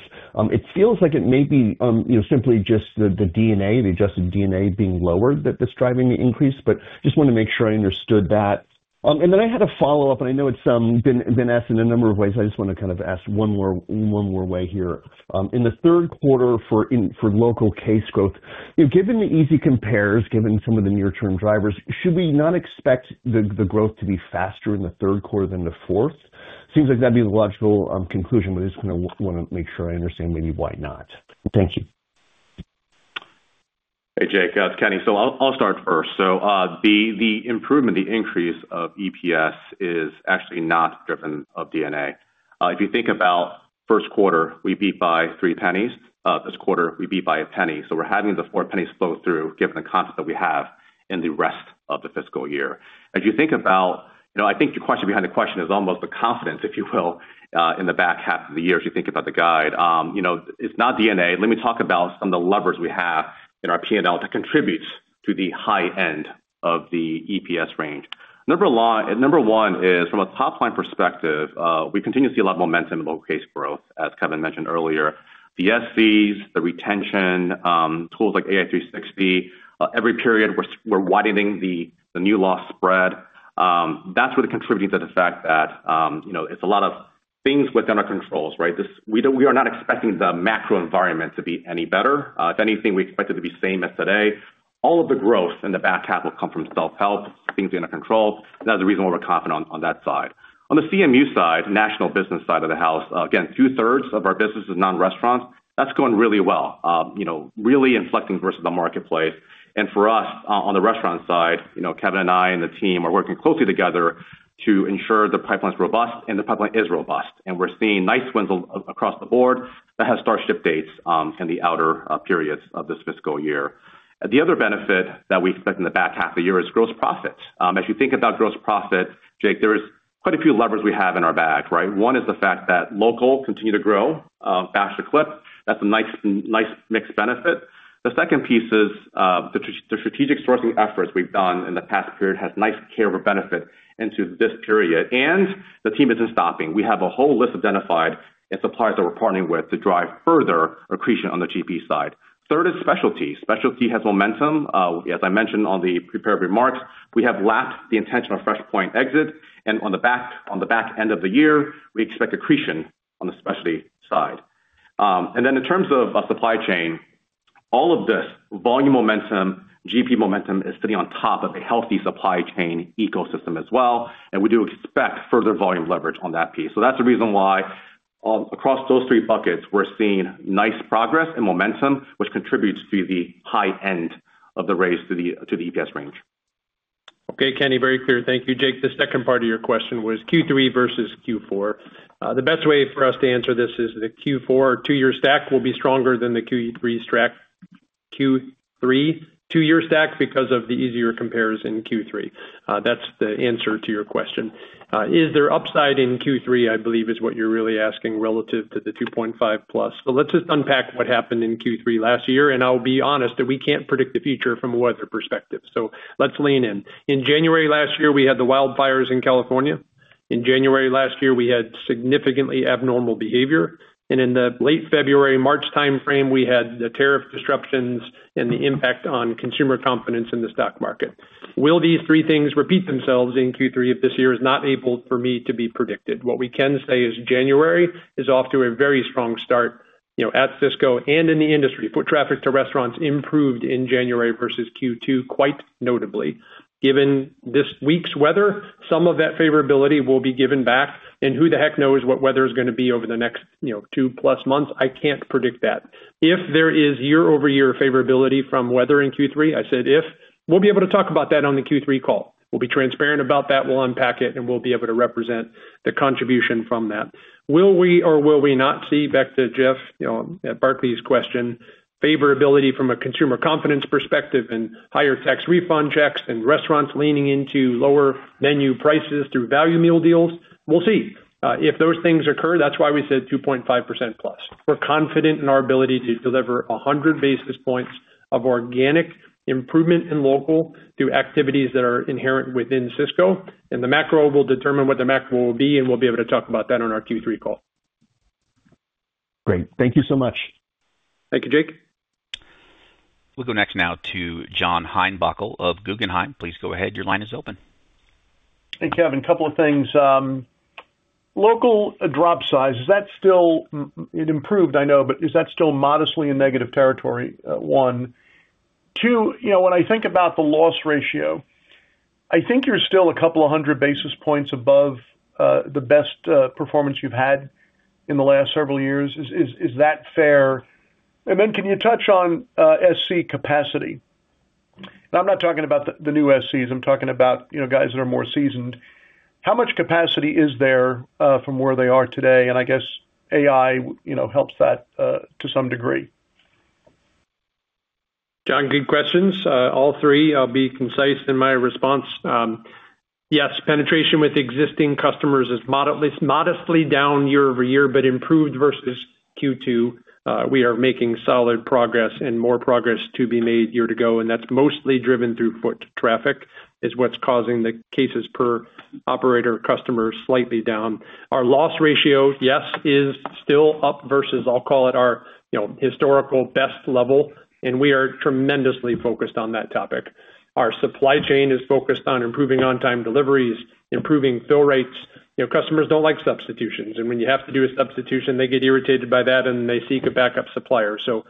It feels like it may be, you know, simply just the EBITDA, the Adjusted EBITDA being lower, that is driving the increase, but just wanted to make sure I understood that. And then I had a follow-up, and I know it's been asked in a number of ways. I just want to kind of ask one more way here. In the third quarter for Local case growth, you know, given the easy compares, given some of the near-term drivers, should we not expect the growth to be faster in the third quarter than the fourth? Seems like that'd be the logical conclusion, but I just wanna make sure I understand maybe why not. Thank you. Hey, Jake, it's Kenny. So I'll start first. So, the improvement, the increase of EPS is actually not driven of D&A. If you think about first quarter, we beat by $0.03. This quarter, we beat by $0.01. So we're having the $0.04 flow through, given the concept that we have in the rest of the fiscal year. As you think about, you know, I think the question behind the question is almost the confidence, if you will, in the back half of the year, as you think about the guide. You know, it's not D&A. Let me talk about some of the levers we have in our P&L that contributes to the high end of the EPS range. Number one is, from a top-line perspective, we continue to see a lot of momentum in Local case growth, as Kevin mentioned earlier. The SCs, the retention, tools like AI 360, every period, we're widening the new loss spread. That's what contributes to the fact that, you know, it's a lot of things within our controls, right? We are not expecting the macro environment to be any better. If anything, we expect it to be same as today. All of the growth in the back half will come from self-help, things under control. That's the reason why we're confident on that side. On the CMU side, National business side of the house, again, two-thirds of our business is non-restaurants. That's going really well. You know, really inflecting versus the marketplace. For us, on the restaurant side, you know, Kevin and I and the team are working closely together to ensure the pipeline is robust, and the pipeline is robust. We're seeing nice wins across the board that have start ship dates in the outer periods of this fiscal year. The other benefit that we expect in the back half of the year is gross profit. As you think about gross profit, Jake, there is quite a few levers we have in our bag, right? One is the fact that Local continue to grow faster clip. That's a nice, nice mixed benefit. The second piece is the strategic sourcing efforts we've done in the past period has nice carryover benefit into this period, and the team isn't stopping. We have a whole list identified and suppliers that we're partnering with to drive further accretion on the GP side. Third is Specialty. Specialty has momentum. As I mentioned on the prepared remarks, we have lapped the intentional FreshPoint exit, and on the back, on the back end of the year, we expect accretion on the Specialty side. And then in terms of our supply chain, all of this volume, momentum, GP momentum, is sitting on top of a healthy supply chain ecosystem as well, and we do expect further volume leverage on that piece. So that's the reason why across those three buckets, we're seeing nice progress and momentum, which contributes to the high end of the raise to the, to the EPS range. Okay, Kenny, very clear. Thank you, Jake. The second part of your question was Q3 versus Q4. The best way for us to answer this is the Q4 two-year stack will be stronger than the Q3 stack, Q3 two-year stack because of the easier compares in Q3. That's the answer to your question. Is there upside in Q3, I believe, is what you're really asking relative to the 2.5+. So let's just unpack what happened in Q3 last year, and I'll be honest that we can't predict the future from a weather perspective, so let's lean in. In January last year, we had the wildfires in California. In January last year, we had significantly abnormal behavior, and in the late February, March timeframe, we had the tariff disruptions and the impact on consumer confidence in the stock market. Will these three things repeat themselves in Q3 of this year? It's not possible for me to predict. What we can say is January is off to a very strong start, you know, at Sysco and in the industry. Foot traffic to restaurants improved in January versus Q2, quite notably. Given this week's weather, some of that favorability will be given back, and who the heck knows what weather is gonna be over the next, you know, two-plus months? I can't predict that. If there is year-over-year favorability from weather in Q3, I said if... We'll be able to talk about that on the Q3 call. We'll be transparent about that. We'll unpack it, and we'll be able to represent the contribution from that. Will we or will we not see, back to Jeff, you know, at Barclays question, favorability from a consumer confidence perspective and higher tax refund checks and restaurants leaning into lower menu prices through value meal deals? We'll see, if those things occur, that's why we said 2.5%+. We're confident in our ability to deliver 100 basis points of organic improvement in Local through activities that are inherent within Sysco, and the macro will determine what the macro will be, and we'll be able to talk about that on our Q3 call. Great. Thank you so much. Thank you, Jake. We'll go next now to John Heinbockel of Guggenheim. Please go ahead. Your line is open. Hey, Kevin. A couple of things. Local drop size, is that still? It improved, I know, but is that still modestly in negative territory? One. Two, you know, when I think about the loss ratio, I think you're still a couple of hundred basis points above the best performance you've had in the last several years. Is that fair? And then can you touch on SC capacity? And I'm not talking about the new SCs, I'm talking about, you know, guys that are more seasoned. How much capacity is there from where they are today? And I guess AI, you know, helps that to some degree. John, good questions. All three, I'll be concise in my response. Yes, penetration with existing customers is modestly down year-over-year, but improved versus Q2. We are making solid progress and more progress to be made year to go, and that's mostly driven through foot traffic, is what's causing the cases per operator customer slightly down. Our loss ratio, yes, is still up versus, I'll call it our, you know, historical best level, and we are tremendously focused on that topic. Our supply chain is focused on improving on-time deliveries, improving fill rates. You know, customers don't like substitutions, and when you have to do a substitution, they get irritated by that, and they seek a backup supplier. So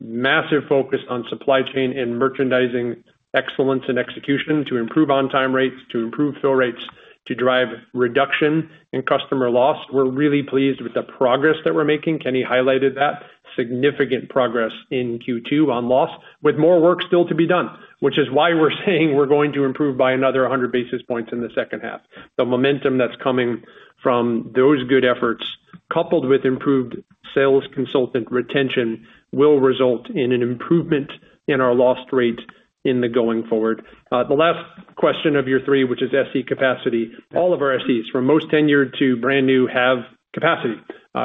massive focus on supply chain and merchandising excellence and execution to improve on-time rates, to improve fill rates, to drive reduction in customer loss. We're really pleased with the progress that we're making. Kenny highlighted that. Significant progress in Q2 on loss, with more work still to be done, which is why we're saying we're going to improve by another 100 basis points in the second half. The momentum that's coming from those good efforts, coupled with improved sales consultant retention, will result in an improvement in our loss rate in the going forward. The last question of your three, which is SC capacity. All of our SCs, from most tenured to brand new, have capacity,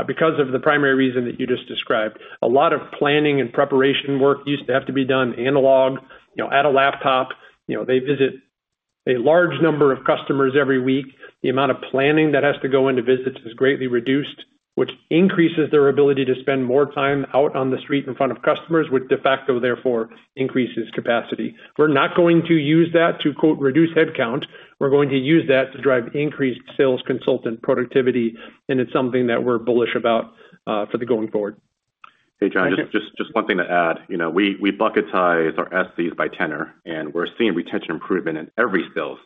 because of the primary reason that you just described. A lot of planning and preparation work used to have to be done analog, you know, at a laptop. You know, they visit a large number of customers every week. The amount of planning that has to go into visits is greatly reduced, which increases their ability to spend more time out on the street in front of customers, which de facto therefore increases capacity. We're not going to use that to, quote, "reduce headcount." We're going to use that to drive increased sales consultant productivity, and it's something that we're bullish about, for the going forward. Hey, John, just one thing to add. You know, we bucketize our SCs by tenure, and we're seeing retention improvement in every sales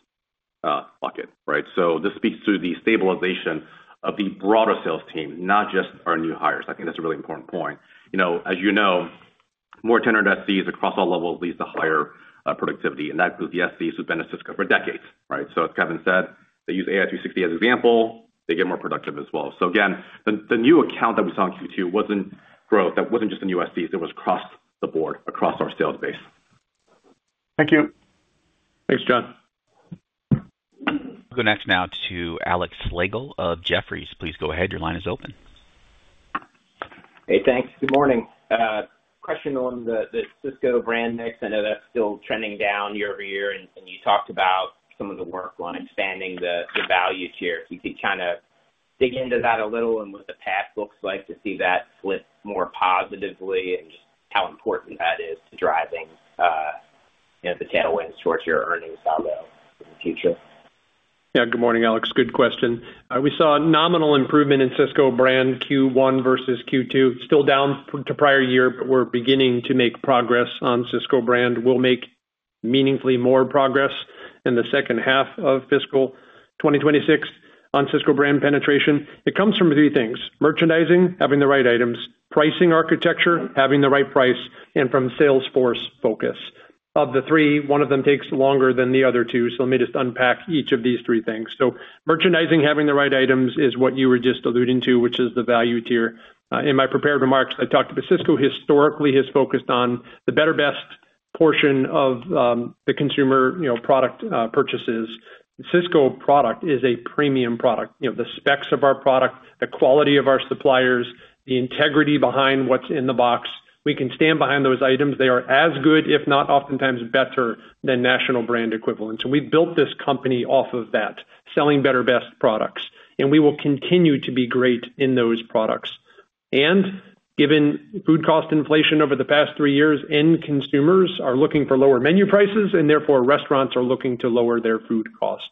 bucket, right? So this speaks to the stabilization of the broader sales team, not just our new hires. I think that's a really important point. You know, as you know, more tenured SCs across all levels leads to higher productivity, and that includes the SCs who've been at Sysco for decades, right? So as Kevin said, they use AI 360 as an example, they get more productive as well. So again, the new account that we saw in Q2 wasn't growth, that wasn't just in U.S. It was across the board, across our sales base. Thank you. Thanks, John. Go next now to Alex Slagle of Jefferies. Please go ahead. Your line is open. Hey, thanks. Good morning. Question on the Sysco Brand mix. I know that's still trending down year-over-year, and you talked about some of the work on expanding the value tier. If you could kind of dig into that a little and what the path looks like to see that slip more positively and just how important that is to driving the tailwinds towards your earnings down the line in the future. Yeah. Good morning, Alex. Good question. We saw a nominal improvement in Sysco Brand Q1 versus Q2, still down to prior year, but we're beginning to make progress on Sysco Brand. We'll make meaningfully more progress in the second half of fiscal 2026 on Sysco Brand penetration. It comes from three things: merchandising, having the right items, pricing architecture, having the right price, and from sales force focus. Of the three, one of them takes longer than the other two, so let me just unpack each of these three things. So merchandising, having the right items, is what you were just alluding to, which is the value tier. In my prepared remarks, I talked about Sysco historically has focused on the Better, Best portion of, the consumer, you know, product, purchases. Sysco product is a premium product. You know, the specs of our product, the quality of our suppliers, the integrity behind what's in the box. We can stand behind those items. They are as good, if not oftentimes better than National brand equivalents. So we've built this company off of that, selling Better, Best products, and we will continue to be great in those products. And given food cost inflation over the past three years, end consumers are looking for lower menu prices, and therefore, restaurants are looking to lower their food costs.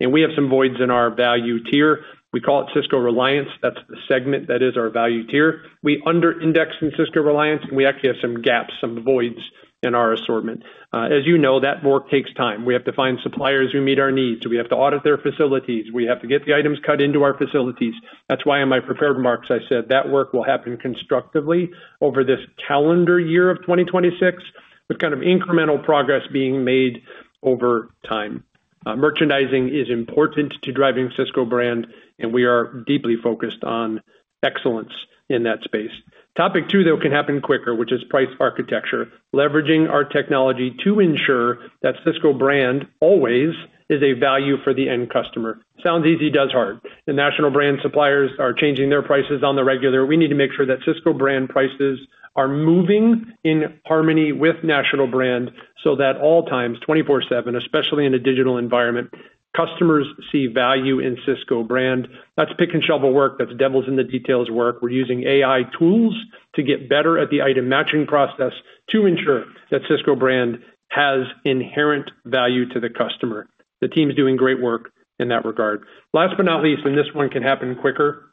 And we have some voids in our value tier. We call it Sysco Reliance. That's the segment that is our value tier. We under indexed in Sysco Reliance, and we actually have some gaps, some voids in our assortment. As you know, that work takes time. We have to find suppliers who meet our needs. We have to audit their facilities. We have to get the items cut into our facilities. That's why in my prepared remarks, I said that work will happen constructively over this calendar year of 2026. With kind of incremental progress being made over time. Merchandising is important to driving Sysco Brand, and we are deeply focused on excellence in that space. Topic two, though, can happen quicker, which is price architecture, leveraging our technology to ensure that Sysco Brand always is a value for the end customer. Sounds easy, does hard. The National brand suppliers are changing their prices on the regular. We need to make sure that Sysco Brand prices are moving in harmony with National brand, so that all times, 24/7, especially in a digital environment, customers see value in Sysco Brand. That's pick and shovel work. That's devils in the details work. We're using AI tools to get better at the item matching process to ensure that Sysco Brand has inherent value to the customer. The team's doing great work in that regard. Last but not least, and this one can happen quicker,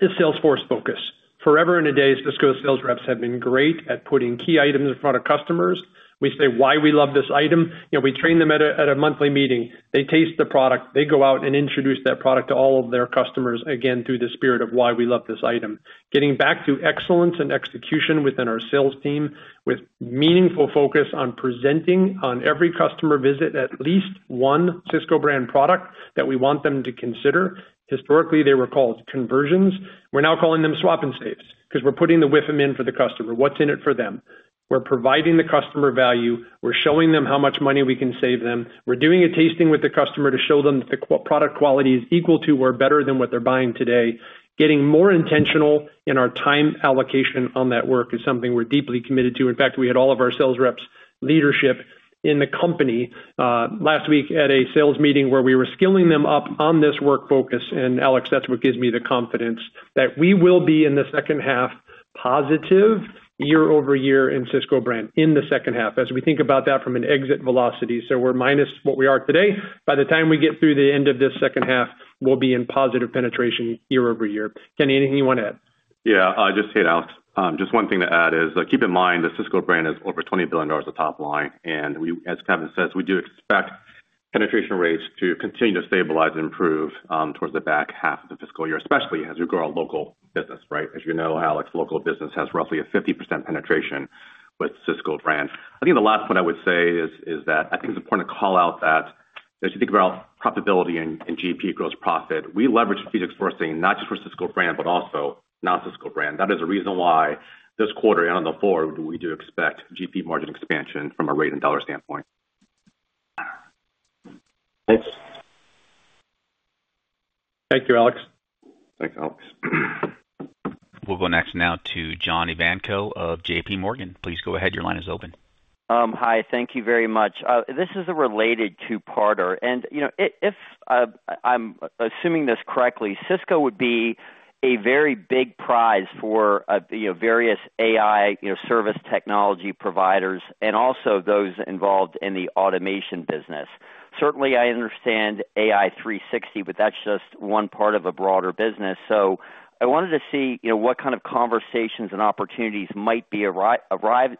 is sales force focus. Forever and a day, Sysco sales reps have been great at putting key items in front of customers. We say why we love this item. You know, we train them at a monthly meeting. They taste the product, they go out and introduce that product to all of their customers, again, through the spirit of why we love this item. Getting back to excellence and execution within our sales team, with meaningful focus on presenting on every customer visit, at least one Sysco Brand product that we want them to consider. Historically, they were called conversions. We're now calling them Swap and Saves, 'cause we're putting the WIIFM in for the customer. What's in it for them? We're providing the customer value. We're showing them how much money we can save them. We're doing a tasting with the customer to show them that the product quality is equal to or better than what they're buying today. Getting more intentional in our time allocation on that work is something we're deeply committed to. In fact, we had all of our sales reps, leadership in the company, last week at a sales meeting where we were skilling them up on this work focus. And Alex, that's what gives me the confidence that we will be in the second half, positive year-over-year in Sysco Brand, in the second half, as we think about that from an exit velocity. So we're minus what we are today. By the time we get through the end of this second half, we'll be in positive penetration year-over-year. Kenny, anything you want to add? Yeah, just hey, Alex. Just one thing to add is, keep in mind, the Sysco Brand is over $20 billion the top line, and we—as Kevin says, we do expect penetration rates to continue to stabilize and improve, towards the back half of the fiscal year, especially as we grow our Local business, right? As you know, Alex, Local business has roughly a 50% penetration with Sysco Brand. I think the last point I would say is that I think it's important to call out that as you think about profitability and GP, gross profit, we leverage our sourcing, not just for Sysco Brand, but also non-Sysco Brand. That is a reason why this quarter and going forward, we do expect GP margin expansion from a rate and dollar standpoint. Thanks. Thank you, Alex. Thanks, Alex. We'll go next now to John Ivankoe of JPMorgan. Please go ahead. Your line is open. Hi, thank you very much. This is a related two-parter, and, you know, if I'm assuming this correctly, Sysco would be a very big prize for, you know, various AI, you know, service technology providers and also those involved in the automation business. Certainly, I understand AI 360, but that's just one part of a broader business. So I wanted to see, you know, what kind of conversations and opportunities might be arising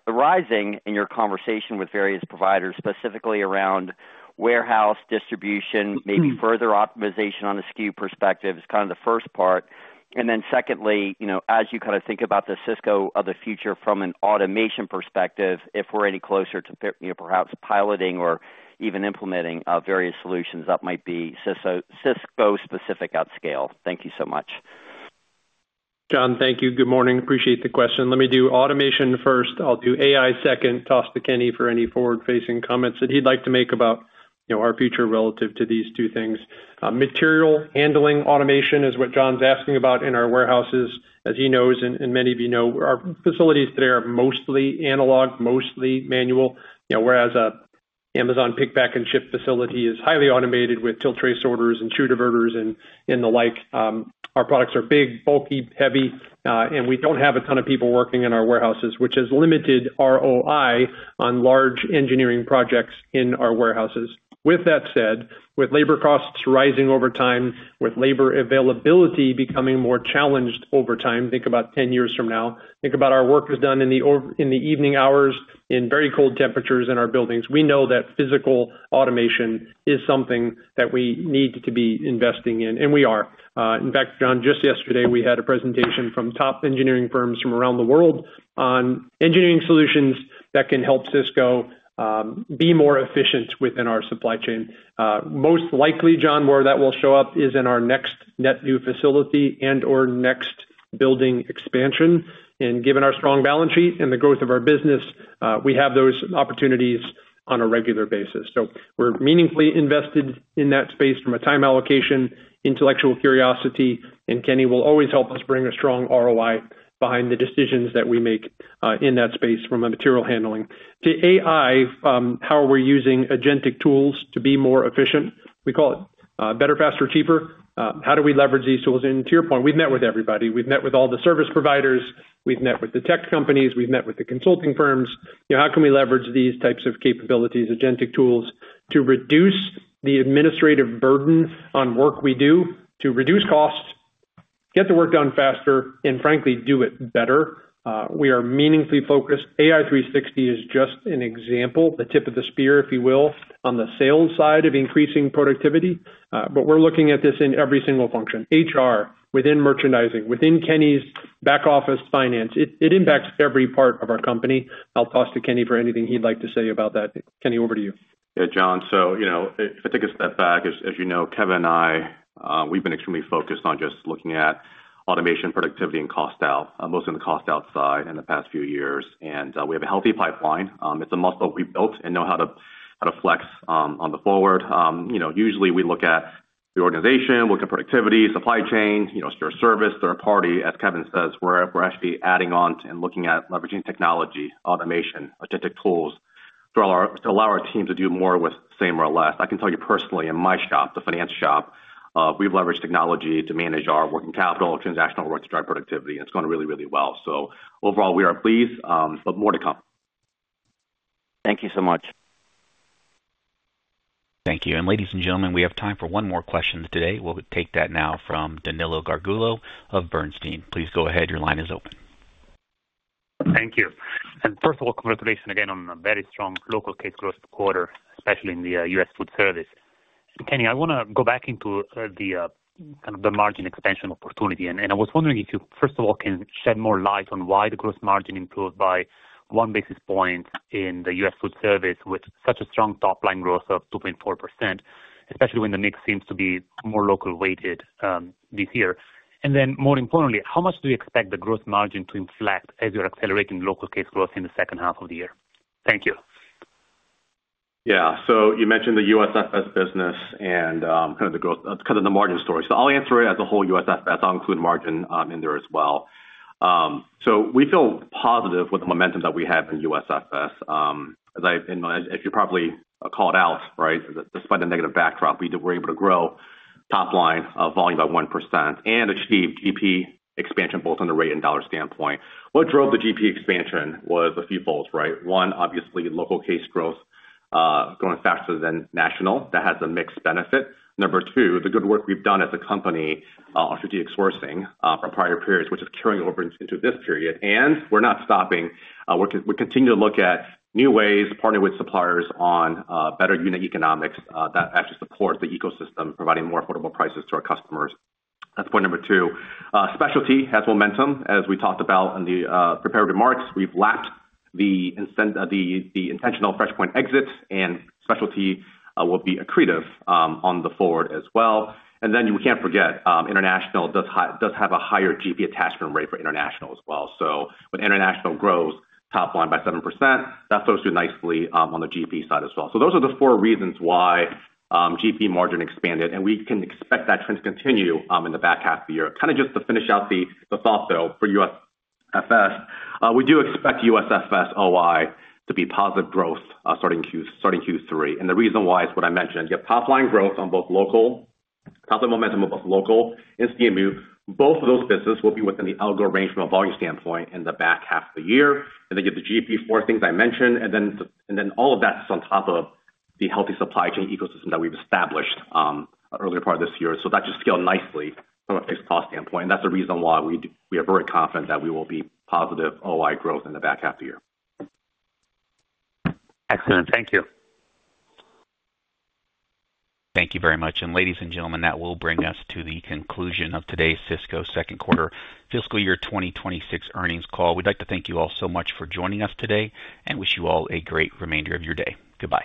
in your conversation with various providers, specifically around warehouse distribution, maybe further optimization on the SKU perspective is kind of the first part. And then secondly, you know, as you kind of think about the Sysco of the future from an automation perspective, if we're any closer to, you know, perhaps piloting or even implementing, various solutions that might be Sysco specific at scale. Thank you so much. John, thank you. Good morning. Appreciate the question. Let me do automation first. I'll do AI second, toss to Kenny for any forward-facing comments that he'd like to make about, you know, our future relative to these two things. Material handling automation is what John's asking about in our warehouses. As he knows, and many of you know, our facilities there are mostly analog, mostly manual. You know, whereas an Amazon pick, pack and ship facility is highly automated with tilt-tray sorters and shoe diverters and the like. Our products are big, bulky, heavy, and we don't have a ton of people working in our warehouses, which has limited ROI on large engineering projects in our warehouses. With that said, with labor costs rising over time, with labor availability becoming more challenged over time, think about 10 years from now. Think about our workers down in the evening hours, in very cold temperatures in our buildings. We know that physical automation is something that we need to be investing in, and we are. In fact, John, just yesterday, we had a presentation from top engineering firms from around the world on engineering solutions that can help Sysco be more efficient within our supply chain. Most likely, John, where that will show up is in our next net new facility and/or next building expansion. And given our strong balance sheet and the growth of our business, we have those opportunities on a regular basis. So we're meaningfully invested in that space from a time allocation, intellectual curiosity, and Kenny will always help us bring a strong ROI behind the decisions that we make in that space from a material handling. To AI, how we're using agentic tools to be more efficient, we call it, better, faster, cheaper. How do we leverage these tools? And to your point, we've met with everybody. We've met with all the service providers, we've met with the tech companies, we've met with the consulting firms. You know, how can we leverage these types of capabilities, agentic tools, to reduce the administrative burden on work we do, to reduce costs, get the work done faster and frankly, do it better. We are meaningfully focused. AI 360 is just an example, the tip of the spear, if you will, on the sales side of increasing productivity. But we're looking at this in every single function. HR, within merchandising, within Kenny's back office finance. It impacts every part of our company. I'll toss to Kenny for anything he'd like to say about that. Kenny, over to you. Yeah, John. So, you know, if I take a step back, as you know, Kevin and I, we've been extremely focused on just looking at automation, productivity, and cost out, most of the cost outside in the past few years. And we have a healthy pipeline. It's a muscle we built and know how to flex on the forward. You know, usually we look at the organization, look at productivity, supply chain, you know, Shared Services, third party. As Kevin says, we're actually adding on to and looking at leveraging technology, automation, AI tools to allow our teams to do more with same or less. I can tell you personally in my shop, the finance shop, we've leveraged technology to manage our working capital, transactional work to drive productivity, and it's going really, really well. So overall, we are pleased, but more to come. Thank you so much. Thank you. Ladies and gentlemen, we have time for one more question today. We'll take that now from Danilo Gargiulo of Bernstein. Please go ahead. Your line is open. Thank you. And first of all, congratulations again on a very strong Local case growth quarter, especially in the U.S. Foodservice. Kenny, I wanna go back into the kind of the margin expansion opportunity. And I was wondering if you, first of all, can shed more light on why the gross margin improved by one basis point in the U.S. Foodservice with such a strong top line growth of 2.4%, especially when the mix seems to be more Local weighted this year. And then, more importantly, how much do you expect the gross margin to inflect as you're accelerating Local case growth in the second half of the year? Thank you. Yeah. So you mentioned the USFS business and kind of the growth kind of the margin story. So I'll answer it as a whole USFS, I'll include margin in there as well. So we feel positive with the momentum that we have in USFS. As I and as you probably called out, right, despite the negative backdrop, we were able to grow top line volume by 1% and achieve GP expansion, both on the rate and dollar standpoint. What drove the GP expansion was a few folds, right? One, obviously, Local case growth growing faster than national. That has a mixed benefit. Number two, the good work we've done as a company on strategic sourcing from prior periods, which is carrying over into this period, and we're not stopping. We're continuing to look at new ways to partner with suppliers on better unit economics that actually support the ecosystem, providing more affordable prices to our customers. That's point number two. Specialty has momentum. As we talked about in the prepared remarks, we've lapped the intentional FreshPoint exits, and Specialty will be accretive on the forward as well. And then you can't forget, International does have a higher GP attachment rate for International as well. So when International grows top line by 7%, that flows through nicely on the GP side as well. So those are the four reasons why GP margin expanded, and we can expect that trend to continue in the back half of the year. Kind of just to finish out the thought, though, for USFS. We do expect USFS OI to be positive growth starting Q3. And the reason why is what I mentioned. You have top line growth on both Local, positive momentum on both Local and CMU. Both of those businesses will be within the outlook range from a volume standpoint in the back half of the year, and they get the GP for things I mentioned. And then all of that is on top of the healthy supply chain ecosystem that we've established earlier part of this year. So that should scale nicely from a fixed cost standpoint, and that's the reason why we are very confident that we will be positive OI growth in the back half of the year. Excellent. Thank you. Thank you very much. Ladies and gentlemen, that will bring us to the conclusion of today's Sysco second quarter fiscal year 2026 earnings call. We'd like to thank you all so much for joining us today and wish you all a great remainder of your day. Goodbye.